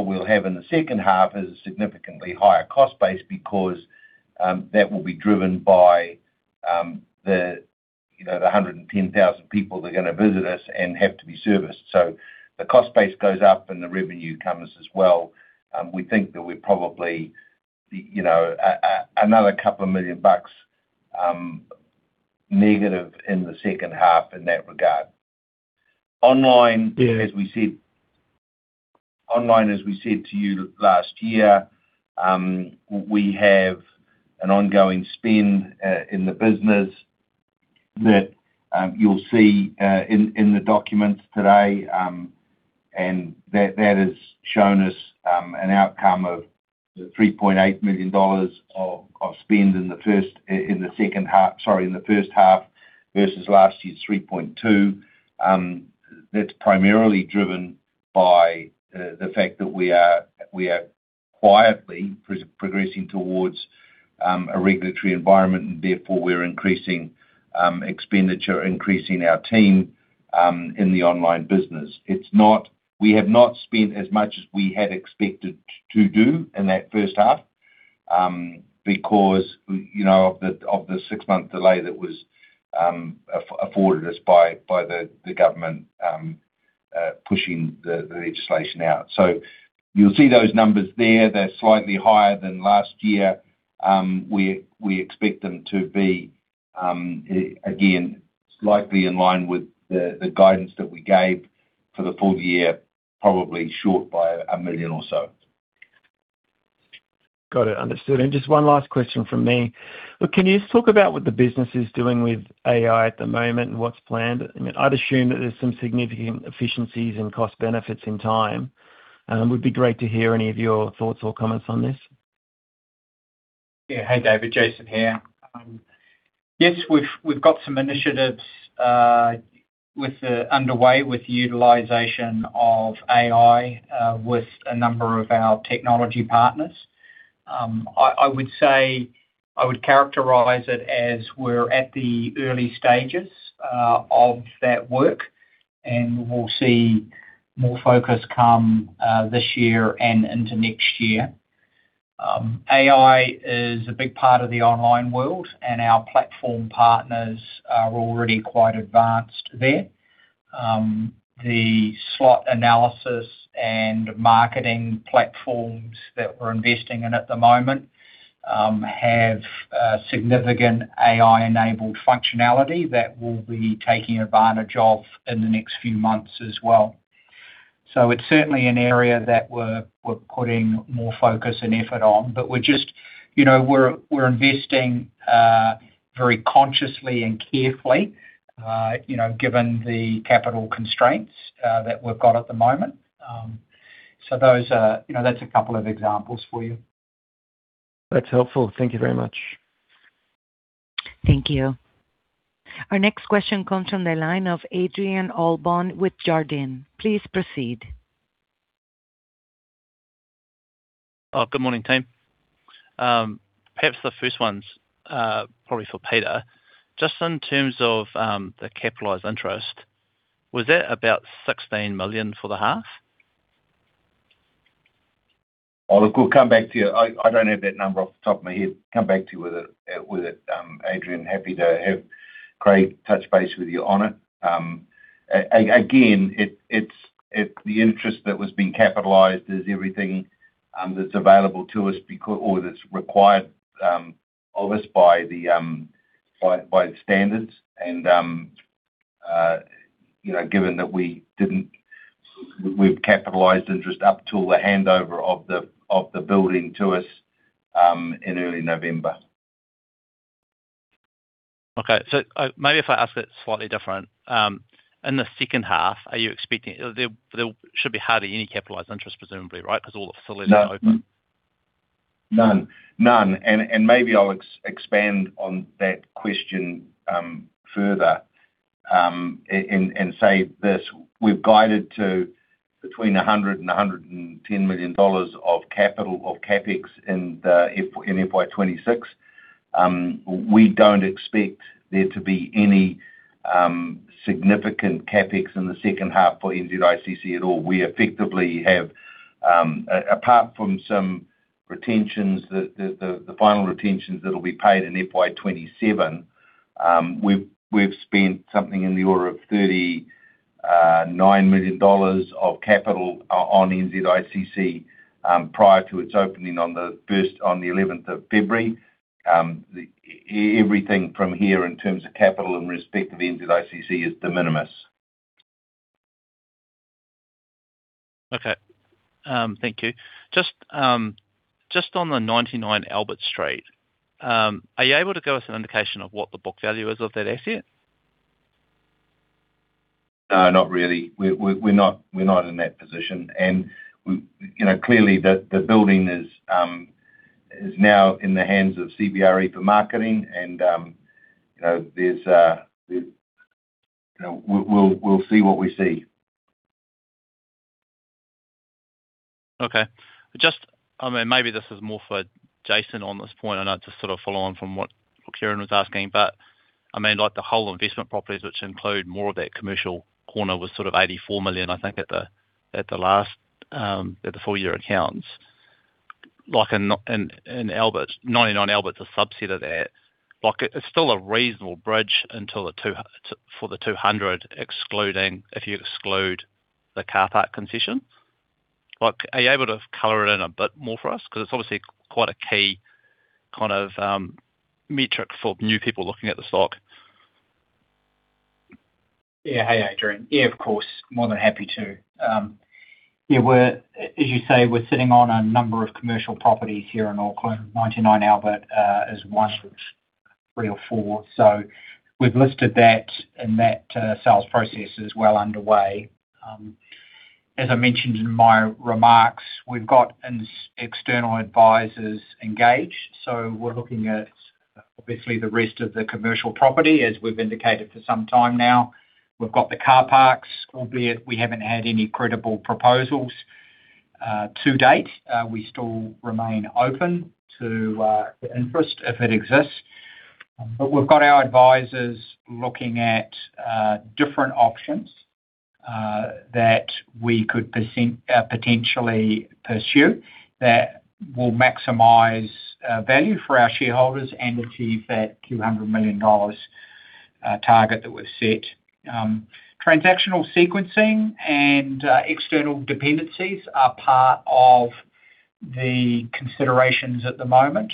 we'll have in the second half is a significantly higher cost base because that will be driven by you know, the 110,000 people that are gonna visit us and have to be serviced. So the cost base goes up, and the revenue comes as well. We think that we're probably you know, another couple of million bucks negative in the second half in that regard. Online, as we said online, as we said to you last year, we have an ongoing spend in the business that you'll see in the documents today. That has shown us an outcome of the 3.8 million dollars of spend in the second half, sorry, in the first half versus last year's 3.2 million. That's primarily driven by the fact that we are quietly progressing towards a regulatory environment, and therefore, we're increasing expenditure, increasing our team in the online business. It's not—we have not spent as much as we had expected to do in that first half, because, you know, of the six-month delay that was afforded us by the government pushing the legislation out. You'll see those numbers there. They're slightly higher than last year. We expect them to be, again, slightly in line with the guidance that we gave for the full year, probably short by 1 million or so. Got it. Understood. Just one last question from me. Look, can you just talk about what the business is doing with AI at the moment and what's planned? I mean, I'd assume that there's some significant efficiencies and cost benefits in time. It would be great to hear any of your thoughts or comments on this. Yeah. Hi, David. Jason here. Yes, we've got some initiatives underway with the utilization of AI with a number of our technology partners. I would say, I would characterize it as we're at the early stages of that work, and we'll see more focus come this year and into next year. AI is a big part of the online world, and our platform partners are already quite advanced there. The slot analysis and marketing platforms that we're investing in at the moment have significant AI-enabled functionality that we'll be taking advantage of in the next few months as well. So it's certainly an area that we're putting more focus and effort on, but we're just, you know, investing very consciously and carefully, you know, given the capital constraints that we've got at the moment. So those are, you know, that's a couple of examples for you. That's helpful. Thank you very much. Thank you. Our next question comes from the line of Adrian Allbon with Jarden. Please proceed. Good morning, team. Perhaps the first one's probably for Peter. Just in terms of the capitalized interest, was that about 16 million for the half? Oh, look, we'll come back to you. I don't have that number off the top of my head. Come back to you with it, Adrian. Happy to have Craig touch base with you on it. Again, it's the interest that was being capitalized is everything that's available to us or that's required of us by the standards. You know, given that we've capitalized interest up till the handover of the building to us in early November. Okay. So, maybe if I ask it slightly different. In the second half, are you expecting. There should be hardly any capitalized interest, presumably, right? Because all the facilities are open. None. None, and maybe I'll expand on that question, further, and say this: We've guided to between 100 million and 110 million dollars of capital, of CapEx in FY 2026. We don't expect there to be any significant CapEx in the second half for NZICC at all. We effectively have, apart from some retentions, the final retentions that will be paid in FY 2027, we've spent something in the order of 39 million dollars of capital on NZICC, prior to its opening on the 11th of February. Everything from here in terms of capital and respect to the NZICC is de minimis. Okay. Thank you. Just on the 99 Albert Street, are you able to give us an indication of what the book value is of that asset? No, not really. We're not in that position, and, you know, clearly the building is now in the hands of CBRE for marketing, and, you know, there's, you know, we'll see what we see. Okay. Just, I mean, maybe this is more for Jason on this point, I know just sort of follow on from what Karen was asking, but I mean, like the whole investment properties, which include more of that commercial corner, was sort of 84 million, I think, at the, at the last, at the full year accounts. Like in, in Albert, 99 Albert's a subset of that. Like, it's still a reasonable bridge until the two, for the 200 excluding, if you exclude the car park concession. Like, are you able to color it in a bit more for us? 'Cause it's obviously quite a key kind of, metric for new people looking at the stock. Yeah. Hey, Adrian. Yeah, of course, more than happy to. Yeah, we're, as you say, we're sitting on a number of commercial properties here in Auckland. 99 Albert is one of three or four, so we've listed that, and that sales process is well underway. As I mentioned in my remarks, we've got some external advisors engaged, so we're looking at obviously the rest of the commercial property, as we've indicated for some time now. We've got the car parks, albeit we haven't had any credible proposals to date. We still remain open to the interest if it exists. But we've got our advisors looking at different options that we could potentially pursue that will maximize value for our shareholders and achieve that 200 million dollars target that we've set. Transactional sequencing and external dependencies are part of the considerations at the moment.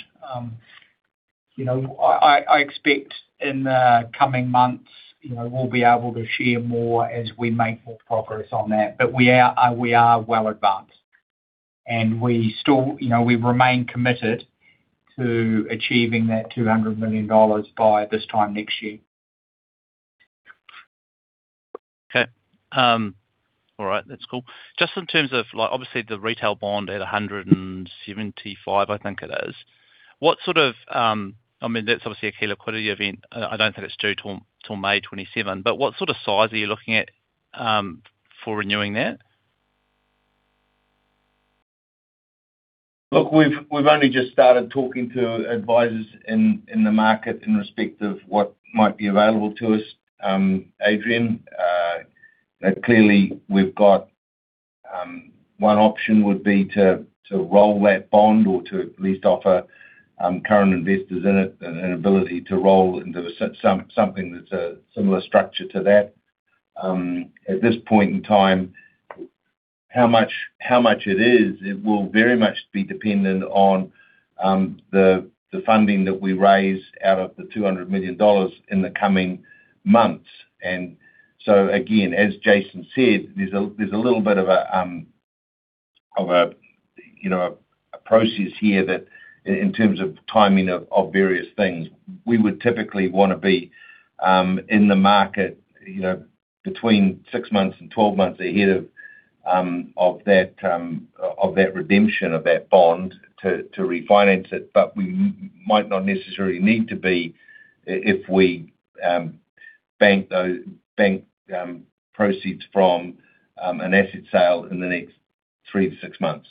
You know, I expect in the coming months, you know, we'll be able to share more as we make more progress on that. But we are well advanced, and we still, you know, we remain committed to achieving that 200 million dollars by this time next year. Okay. All right. That's cool. Just in terms of, like, obviously the retail bond at 175, I think it is. What sort of, I mean, that's obviously a key liquidity event. I don't think it's due till May 2027, but what sort of size are you looking at for renewing that? Look, we've only just started talking to advisors in the market in respect of what might be available to us, Adrian. But clearly we've got one option would be to roll that bond or to at least offer current investors in it an ability to roll into the something that's a similar structure to that. At this point in time, how much it is, it will very much be dependent on the funding that we raise out of the 200 million dollars in the coming months. So, again, as Jason said, there's a little bit of a, you know, a process here in terms of timing of various things, we would typically wanna be in the market, you know, between six months and 12 months ahead of that redemption of that bond to refinance it. But we might not necessarily need to be if we bank those bank proceeds from an asset sale in the next 3-6 months.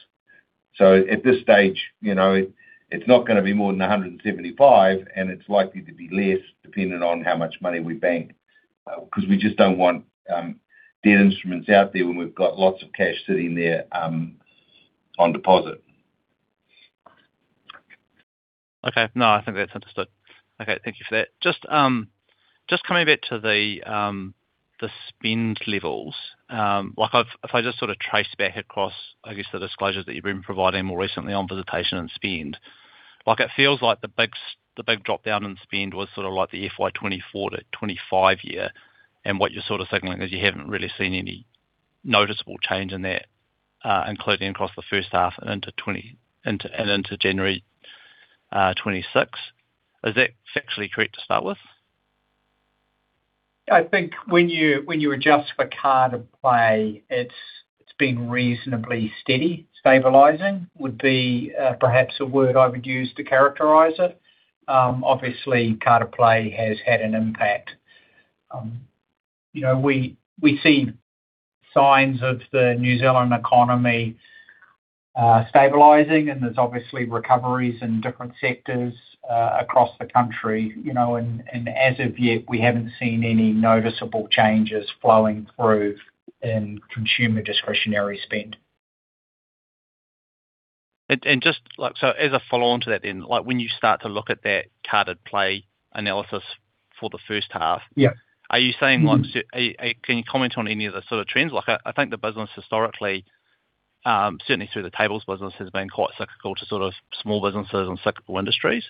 So at this stage, you know, it's not gonna be more than 175, and it's likely to be less, depending on how much money we bank, 'cause we just don't want debt instruments out there when we've got lots of cash sitting there on deposit. Okay. No, I think that's understood. Okay, thank you for that. Just coming back to the spend levels, like I've if I just sort of trace back across, I guess, the disclosures that you've been providing more recently on visitation and spend, like it feels like the big drop down in spend was sort of like the FY 2024 to 2025 year. And what you're sort of signaling is you haven't really seen any noticeable change in that, including across the first half and into January 2026. Is that factually correct to start with? I think when you adjust for carded play, it's been reasonably steady. Stabilizing would be perhaps a word I would use to characterize it. Obviously, carded play has had an impact. You know, we see signs of the New Zealand economy stabilizing, and there's obviously recoveries in different sectors across the country, you know, and as of yet, we haven't seen any noticeable changes flowing through in consumer discretionary spend. Just like, so as a follow-on to that then, like when you start to look at that carded play analysis for the first half. Yeah. Are you saying like, so, can you comment on any of the sort of trends? Like I think the business historically, certainly through the tables business, has been quite cyclical to sort of small businesses and cyclical industries.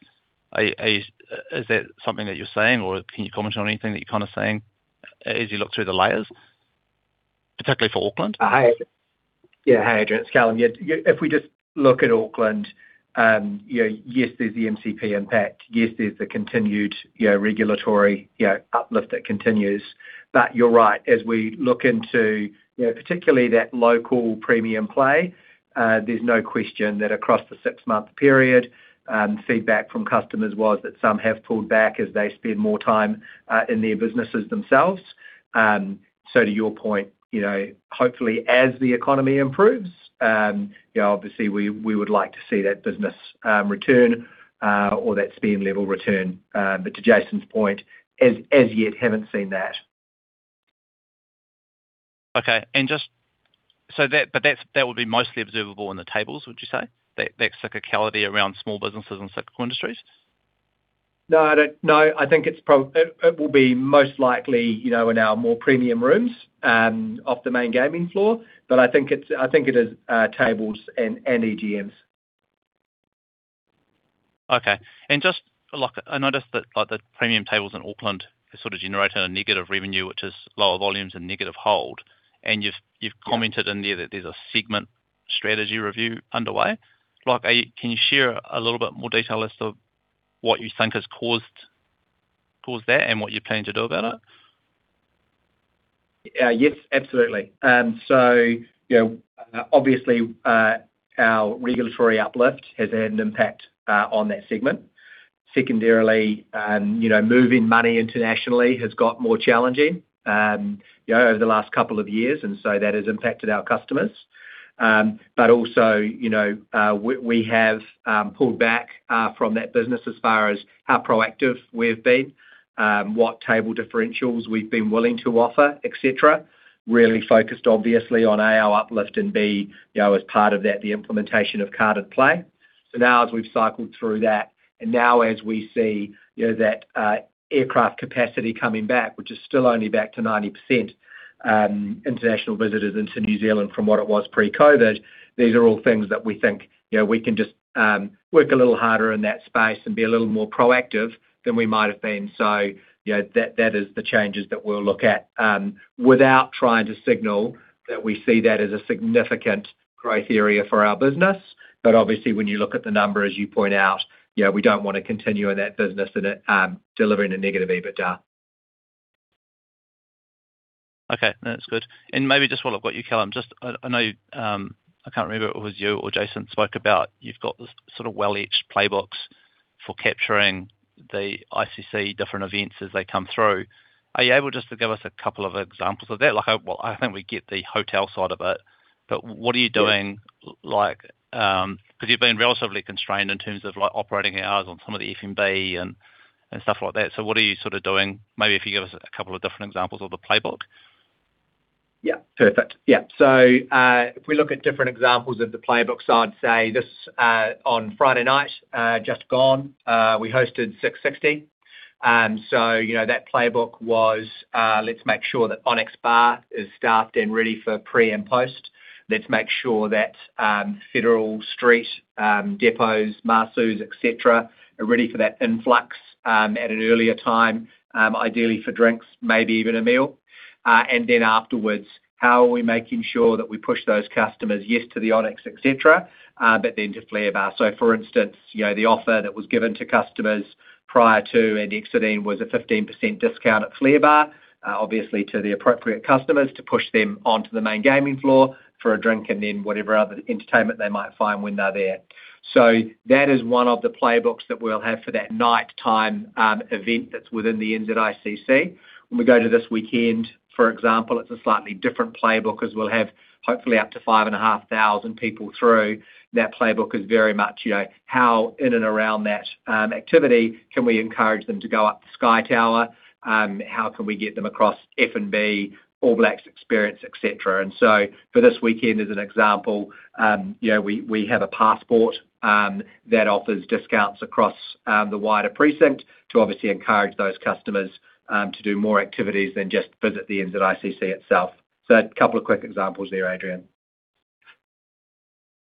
Is that something that you're seeing, or can you comment on anything that you're kind of seeing as you look through the layers, particularly for Auckland? Hey. Yeah, hey, Adrian, Callum. Yeah, yeah, if we just look at Auckland, you know, yes, there's the MCP impact, yes, there's the continued, you know, regulatory, you know, uplift that continues. But you're right. As we look into, you know, particularly that local premium play, there's no question that across the six-month period, feedback from customers was that some have pulled back as they spend more time in their businesses themselves. So to your point, you know, hopefully, as the economy improves, you know, obviously we, we would like to see that business return or that spend level return. But to Jason's point, as, as yet, haven't seen that. Okay. And just so that, but that would be mostly observable in the tables, would you say? That cyclicality around small businesses and cyclical industries? No, I don't. No, I think it will be most likely, you know, in our more premium rooms off the main gaming floor. But I think it is tables and EGMs. Okay. And just like, I noticed that, like, the premium tables in Auckland are sort of generating a negative revenue, which is lower volumes and negative hold. And you've, you've commented in there that there's a segment strategy review underway. Like, are you-- can you share a little bit more detail as to what you think has caused, caused that and what you plan to do about it? Yes, absolutely. So, you know, obviously, our regulatory uplift has had an impact on that segment. Secondarily, you know, moving money internationally has got more challenging, you know, over the last couple of years, and so that has impacted our customers. But also, you know, we have pulled back from that business as far as how proactive we've been, what table differentials we've been willing to offer, et cetera. Really focused, obviously, on, A, our uplift, and B, you know, as part of that, the implementation of carded play. So now, as we've cycled through that, and now as we see, you know, that aircraft capacity coming back, which is still only back to 90%, international visitors into New Zealand from what it was pre-COVID, these are all things that we think, you know, we can just work a little harder in that space and be a little more proactive than we might have been. So, you know, that, that is the changes that we'll look at, without trying to signal that we see that as a significant growth area for our business. But obviously, when you look at the numbers, as you point out, you know, we don't want to continue in that business and delivering a negative EBITDA. Okay, no, that's good. And maybe just while I've got you, Callum, just I know I can't remember if it was you or Jason spoke about, you've got this sort of well-established playbooks for capturing the NZICC different events as they come through. Are you able just to give us a couple of examples of that? Like, well, I think we get the hotel side of it, but what are you doing like, because you've been relatively constrained in terms of, like, operating hours on some of the F&B and stuff like that. So what are you sort of doing? Maybe if you give us a couple of different examples of the playbook. Yeah, perfect. Yeah. So, if we look at different examples of the playbooks, I'd say this, on Friday night, just gone, we hosted Six60. So you know, that playbook was, let's make sure that Onyx Bar is staffed and ready for pre- and post. Let's make sure that, Federal Street, depots, Marsou's, et cetera, are ready for that influx, at an earlier time, ideally for drinks, maybe even a meal. And then afterwards, how are we making sure that we push those customers, yes, to the Onyx, et cetera, but then to Flare Bar. For instance, you know, the offer that was given to customers prior to and exiting was a 15% discount at Flare Bar, obviously to the appropriate customers to push them onto the main gaming floor for a drink and then whatever other entertainment they might find when they're there. That is one of the playbooks that we'll have for that nighttime event that's within the NZICC. When we go to this weekend, for example, it's a slightly different playbook as we'll have hopefully up to 5,500 people through. That playbook is very much, you know, how in and around that activity can we encourage them to go up the Sky Tower? How can we get them across F&B, All Blacks Experience, et cetera? And so, for this weekend, as an example, you know, we have a passport that offers discounts across the wider precinct to obviously encourage those customers to do more activities than just visit the NZICC itself. So a couple of quick examples there, Adrian.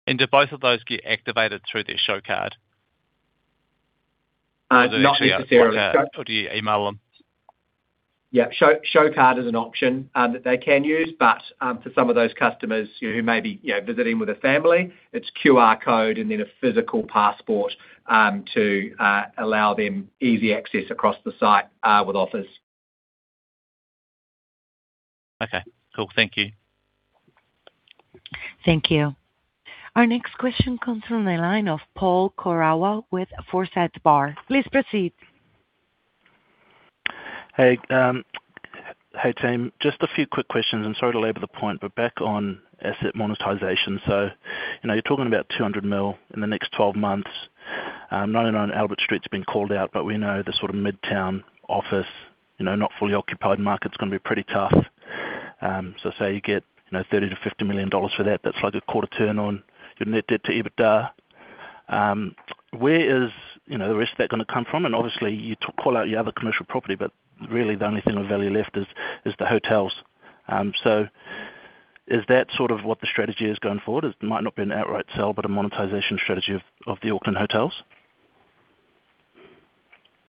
Do both of those get activated through their SHOW card? Not necessarily. Or do you email them? Yeah, SHOW card is an option that they can use, but for some of those customers, you know, who may be, you know, visiting with a family, it's QR code and then a physical passport to allow them easy access across the site with offers. Okay, cool. Thank you. Thank you. Our next question comes from the line of Paul Koraua with Forsyth Barr. Please proceed. Hey, hey, team. Just a few quick questions, sorry to labor the point, but back on asset monetization. You know, you're talking about 200 million in the next 12 months. 99 Albert Street has been called out, but we know the sort of Midtown office, you know, not fully occupied market, is gonna be pretty tough. Say you get, you know, 30-50 million dollars for that, that's like a quarter turn on your net debt to EBITDA. Where is, you know, the rest of that gonna come from? Obviously, you call out your other commercial property, but really the only thing of value left is the hotels. Is that sort of what the strategy is going forward? It might not be an outright sell, but a monetization strategy of the Auckland hotels.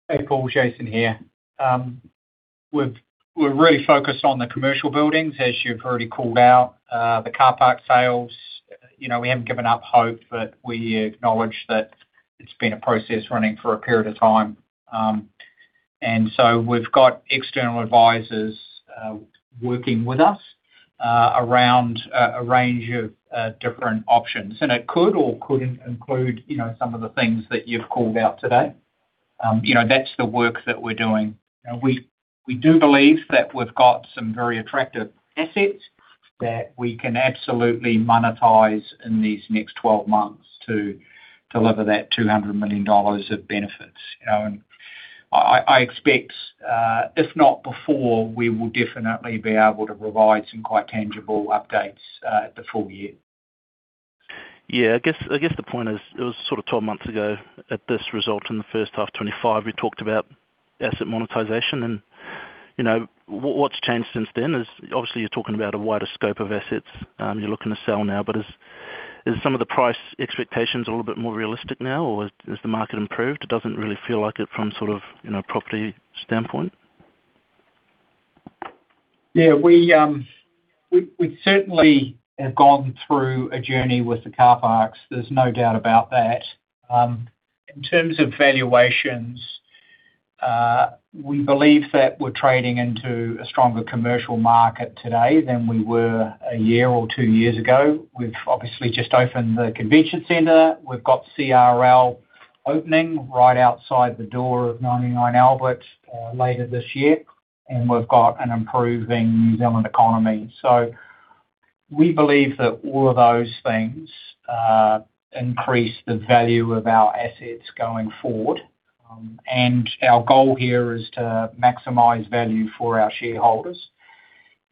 Hey, Paul, Jason here. We're really focused on the commercial buildings, as you've already called out, the car park sales. You know, we haven't given up hope, but we acknowledge that it's been a process running for a period of time. And so we've got external advisors, working with us, around a range of different options. And it could or couldn't include, you know, some of the things that you've called out today. You know, that's the work that we're doing. And we, we do believe that we've got some very attractive assets that we can absolutely monetize in these next 12 months to deliver that 200 million dollars of benefits, you know? And I, I, I expect, if not before, we will definitely be able to provide some quite tangible updates, at the full year. Yeah, I guess, I guess the point is, it was sort of 12 months ago at this result, in the first half 2025, we talked about asset monetization. And, you know, what's changed since then is obviously you're talking about a wider scope of assets, you're looking to sell now. But is some of the price expectations a little bit more realistic now, or has the market improved? It doesn't really feel like it from sort of, you know, property standpoint. Yeah, we certainly have gone through a journey with the car parks, there's no doubt about that. In terms of valuations, we believe that we're trading into a stronger commercial market today than we were a year or two years ago. We've obviously just opened the convention center. We've got CRL opening right outside the door of 99 Albert later this year, and we've got an improving New Zealand economy. So we believe that all of those things increase the value of our assets going forward. And our goal here is to maximize value for our shareholders.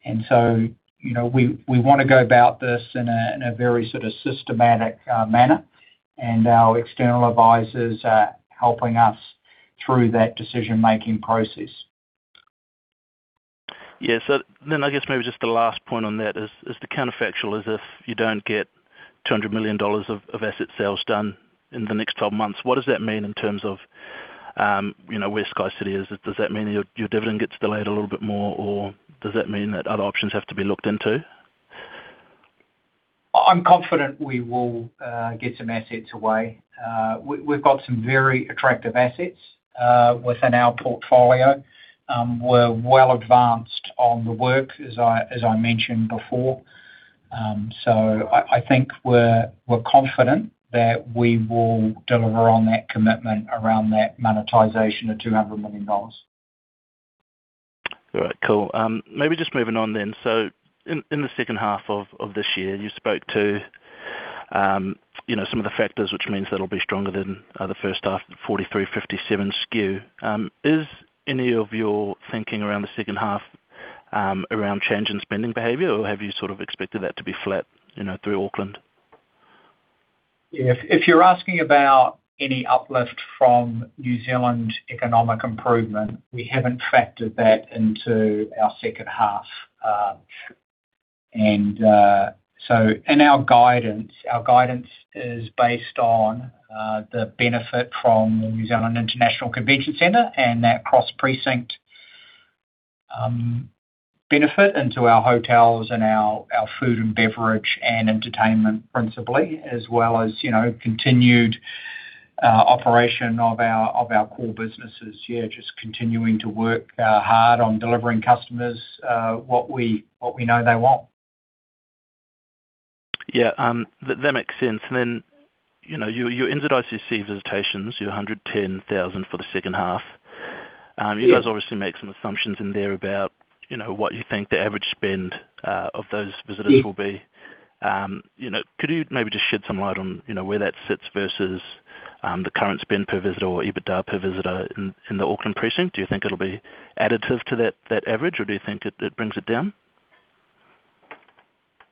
And so, you know, we wanna go about this in a very sort of systematic manner, and our external advisors are helping us through that decision-making process. Yeah. So then I guess maybe just the last point on that is, is the counterfactual, is if you don't get 200 million dollars of asset sales done in the next 12 months, what does that mean in terms of, you know, where SkyCity is? Does that mean your dividend gets delayed a little bit more, or does that mean that other options have to be looked into? I'm confident we will get some assets away. We've got some very attractive assets within our portfolio. We're well advanced on the work, as I mentioned before. So I think we're confident that we will deliver on that commitment around that monetization of 200 million dollars. All right, cool. Maybe just moving on then. So in the second half of this year, you spoke to, you know, some of the factors, which means that'll be stronger than the first half, 43-57 skew. Is any of your thinking around the second half around change in spending behavior, or have you sort of expected that to be flat, you know, through Auckland? Yeah, if you're asking about any uplift from New Zealand economic improvement, we haven't factored that into our second half. So in our guidance, our guidance is based on the benefit from the New Zealand International Convention Centre and that cross precinct benefit into our hotels and our food and beverage and entertainment principally, as well as, you know, continued operation of our core businesses. Yeah, just continuing to work hard on delivering customers what we know they want. Yeah, that makes sense. And then, you know, your NZICC visitations, your 110,000 for the second half. You guys obviously make some assumptions in there about, you know, what you think the average spend of those visitors will be. You know, could you maybe just shed some light on, you know, where that sits versus the current spend per visitor or EBITDA per visitor in the Auckland precinct? Do you think it'll be additive to that average, or do you think it brings it down?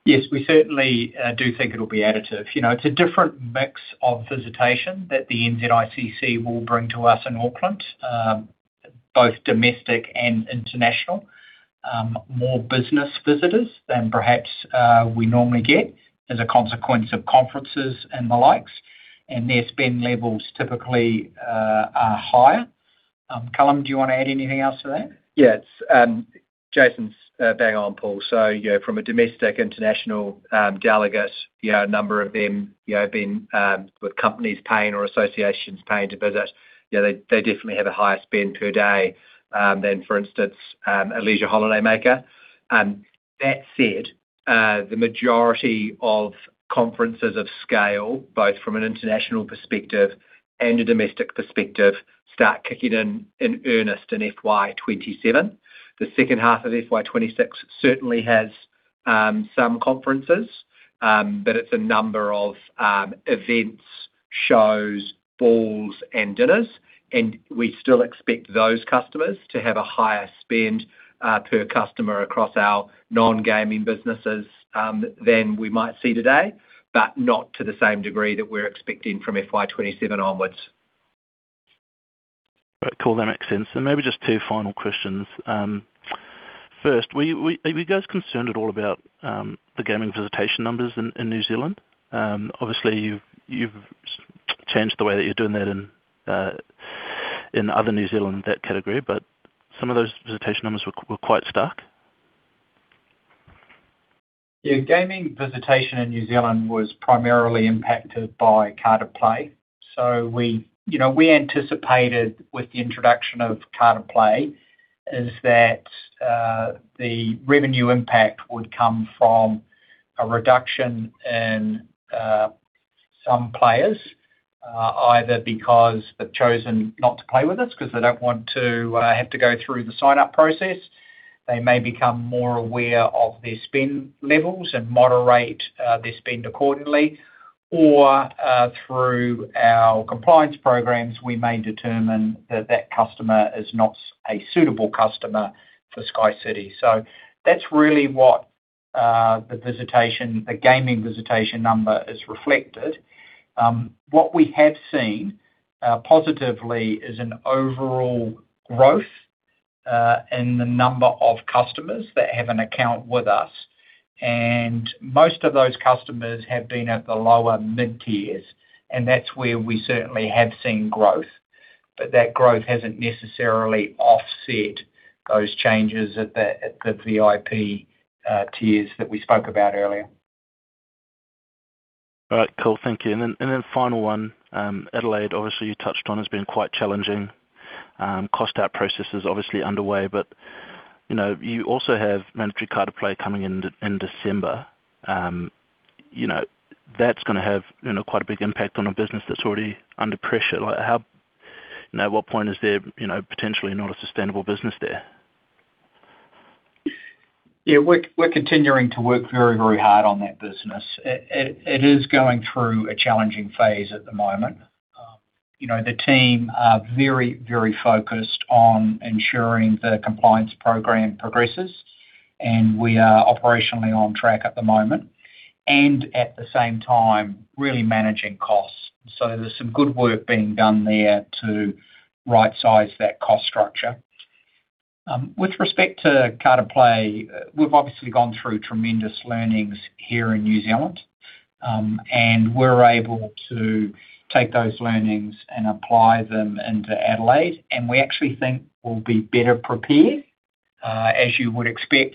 Yes, we certainly do think it'll be additive. You know, it's a different mix of visitation that the NZICC will bring to us in Auckland, both domestic and international. More business visitors than perhaps we normally get as a consequence of conferences and the likes, and their spend levels typically are higher. Callum, do you want to add anything else to that? Yeah, it's Jason's bang on, Paul. So, you know, from a domestic, international delegate, yeah, a number of them, you know, have been with companies paying or associations paying to visit. Yeah, they, they definitely have a higher spend per day than, for instance, a leisure holidaymaker. That said, the majority of conferences of scale, both from an international perspective and a domestic perspective, start kicking in, in earnest in FY 2027. The second half of FY 2026 certainly has some conferences, but it's a number of events, shows, balls, and dinners. And we still expect those customers to have a higher spend per customer across our non-gaming businesses than we might see today, but not to the same degree that we're expecting from FY 2027 onwards. Right. Cool, that makes sense. So maybe just two final questions. First, are you guys concerned at all about the gaming visitation numbers in New Zealand? Obviously, you've changed the way that you're doing that and in other New Zealand that category, but some of those visitation numbers were quite stuck. Yeah, gaming visitation in New Zealand was primarily impacted by carded play. So we, you know, we anticipated with the introduction of carded play that the revenue impact would come from a reduction in some players either because they've chosen not to play with us, 'cause they don't want to have to go through the sign-up process. They may become more aware of their spend levels and moderate their spend accordingly, or through our compliance programs, we may determine that that customer is not a suitable customer for SkyCity. So that's really what the visitation, the gaming visitation number has reflected. What we have seen positively is an overall growth in the number of customers that have an account with us. Most of those customers have been at the lower mid-tiers, and that's where we certainly have seen growth. But that growth hasn't necessarily offset those changes at the VIP tiers that we spoke about earlier. All right, cool, thank you. And then, and then final one, Adelaide, obviously you touched on, has been quite challenging. Cost out process is obviously underway, but, you know, you also have mandatory carded play coming in, in December. You know, that's gonna have, you know, quite a big impact on a business that's already under pressure. Like, how, you know, at what point is there, you know, potentially not a sustainable business there? Yeah, we're continuing to work very, very hard on that business. It is going through a challenging phase at the moment. You know, the team are very, very focused on ensuring the compliance program progresses, and we are operationally on track at the moment, and at the same time, really managing costs. So there's some good work being done there to rightsize that cost structure. With respect to carded play, we've obviously gone through tremendous learnings here in New Zealand, and we're able to take those learnings and apply them into Adelaide, and we actually think we'll be better prepared, as you would expect,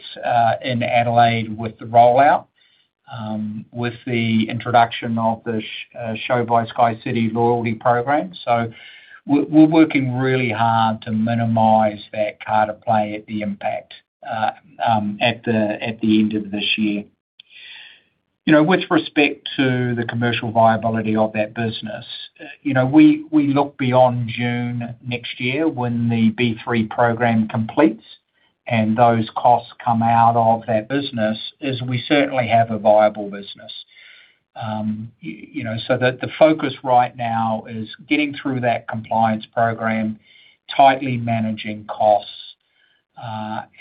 in Adelaide with the rollout, with the introduction of the SHOW by SkyCity loyalty program. So we're working really hard to minimize that carded play at the impact, at the end of this year. You know, with respect to the commercial viability of that business, you know, we look beyond June next year when the B3 program completes, and those costs come out of that business, is we certainly have a viable business. You know, so the focus right now is getting through that compliance program, tightly managing costs,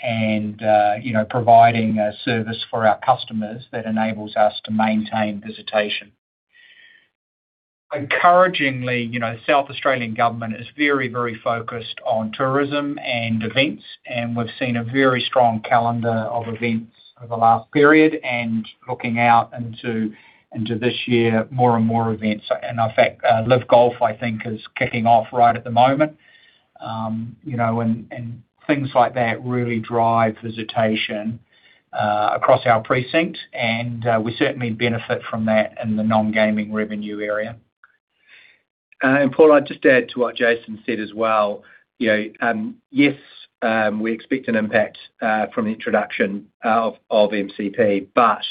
and you know, providing a service for our customers that enables us to maintain visitation. Encouragingly, you know, South Australian Government is very, very focused on tourism and events, and we've seen a very strong calendar of events over the last period, and looking out into this year, more and more events. In fact, LIV Golf, I think, is kicking off right at the moment. You know, and, and things like that really drive visitation across our precinct, and, we certainly benefit from that in the non-gaming revenue area. And Paul, I'd just add to what Jason said as well. You know, yes, we expect an impact from the introduction of MCP, but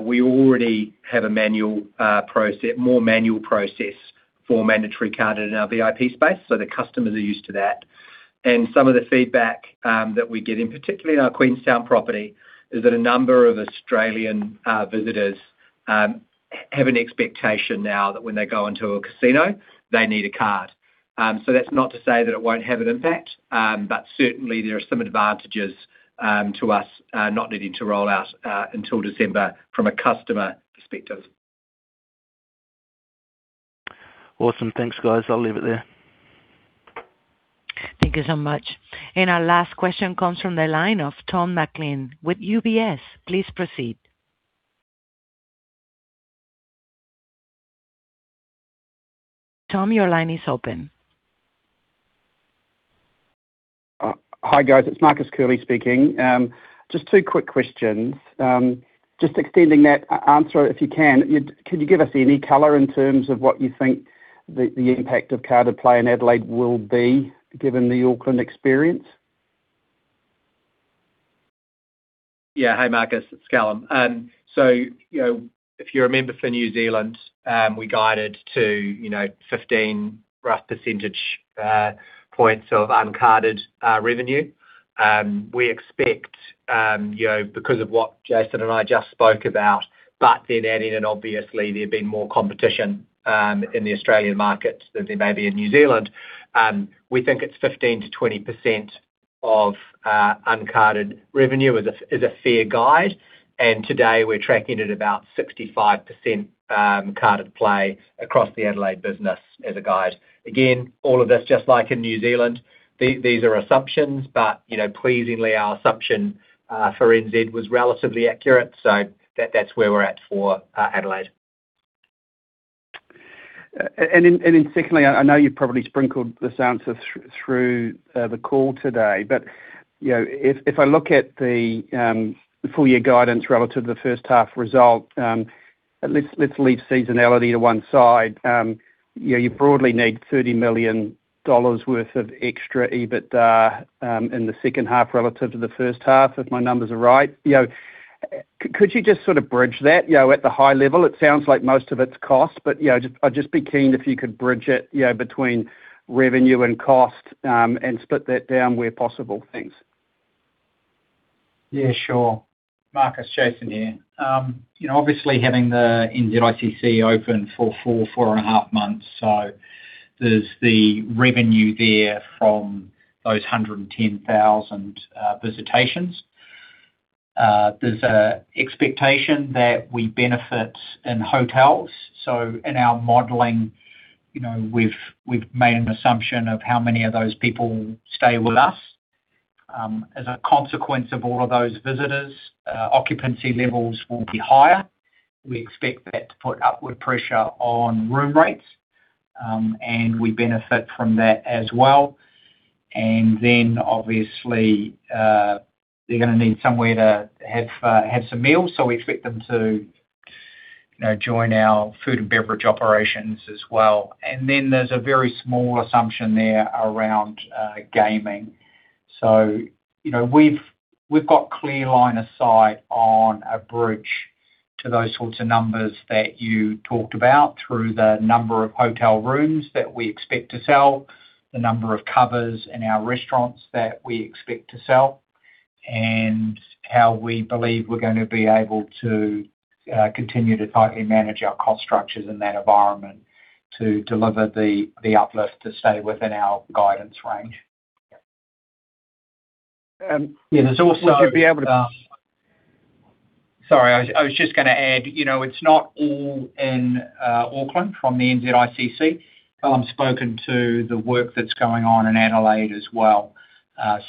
we already have a manual process, more manual process for mandatory card in our VIP space, so the customers are used to that. Some of the feedback that we get in, particularly in our Queenstown property, is that a number of Australian visitors have an expectation now that when they go into a casino, they need a card. That's not to say that it won't have an impact, but certainly there are some advantages to us not needing to roll out until December from a customer perspective. Awesome. Thanks, guys. I'll leave it there. Thank you so much. Our last question comes from the line of Tom Maclean with UBS. Please proceed. Tom, your line is open. Hi, guys. It's Marcus Curley speaking. Just two quick questions. Just extending that answer, if you can, could you give us any color in terms of what you think the impact of carded play in Adelaide will be, given the Auckland experience? Yeah. Hi, Marcus, it's Callum. So, you know, if you're a member for New Zealand, we guided to, you know, 15 rough percentage points of uncarded revenue. We expect, you know, because of what Jason and I just spoke about, but then adding in obviously there's been more competition in the Australian market than there may be in New Zealand, we think it's 15%-20% of uncarded revenue is a fair guide, and today we're tracking at about 65% carded play across the Adelaide business as a guide. Again, all of this just like in New Zealand, these are assumptions, but, you know, pleasingly, our assumption for NZ was relatively accurate. So that, that's where we're at for Adelaide. And then, and then secondly, I, I know you've probably sprinkled this answer through the call today, but, you know, if, if I look at the full year guidance relative to the first half result, let's, let's leave seasonality to one side. You know, you broadly need 30 million dollars worth of extra EBITDA in the second half relative to the first half, if my numbers are right. You know, could you just sort of bridge that? You know, at the high level, it sounds like most of it's cost, but, you know, just-- I'd just be keen if you could bridge it, you know, between revenue and cost, and split that down where possible. Thanks. Yeah, sure. Marcus, Jason here. You know, obviously having the NZICC open for 4, 4.5 months, so there's the revenue there from those 110,000 visitations. There's a expectation that we benefit in hotels, so in our modeling, you know, we've made an assumption of how many of those people stay with us. As a consequence of all of those visitors, occupancy levels will be higher. We expect that to put upward pressure on room rates, and we benefit from that as well. Obviously, they're gonna need somewhere to have, have some meals, so we expect them to, you know, join our food and beverage operations as well. There's a very small assumption there around gaming. So, you know, we've got clear line of sight on a bridge to those sorts of numbers that you talked about through the number of hotel rooms that we expect to sell, the number of covers in our restaurants that we expect to sell, and how we believe we're gonna be able to continue to tightly manage our cost structures in that environment to deliver the uplift to stay within our guidance range. Yeah, there's also-Would you be able to? Sorry, I was just gonna add, you know, it's not all in Auckland from the NZICC. Colin spoken to the work that's going on in Adelaide as well.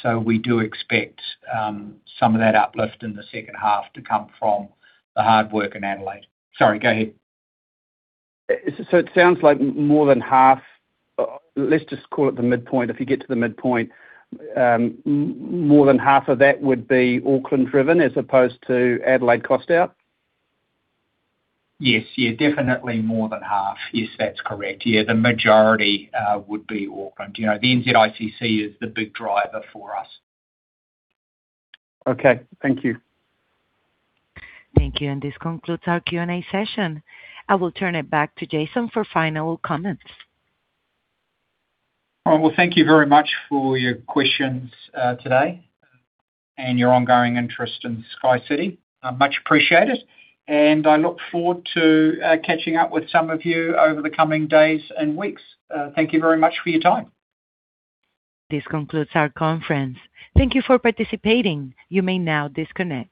So we do expect some of that uplift in the second half to come from the hard work in Adelaide. Sorry, go ahead. So it sounds like more than half, let's just call it the midpoint. If you get to the midpoint, more than half of that would be Auckland driven as opposed to Adelaide cost out? Yes. Yeah, definitely more than half. Yes, that's correct. Yeah, the majority would be Auckland. You know, the NZICC is the big driver for us. Okay, thank you. Thank you, and this concludes our Q&A session. I will turn it back to Jason for final comments. All right. Well, thank you very much for your questions, today, and your ongoing interest in SkyCity. I much appreciate it, and I look forward to, catching up with some of you over the coming days and weeks. Thank you very much for your time. This concludes our conference. Thank you for participating. You may now disconnect.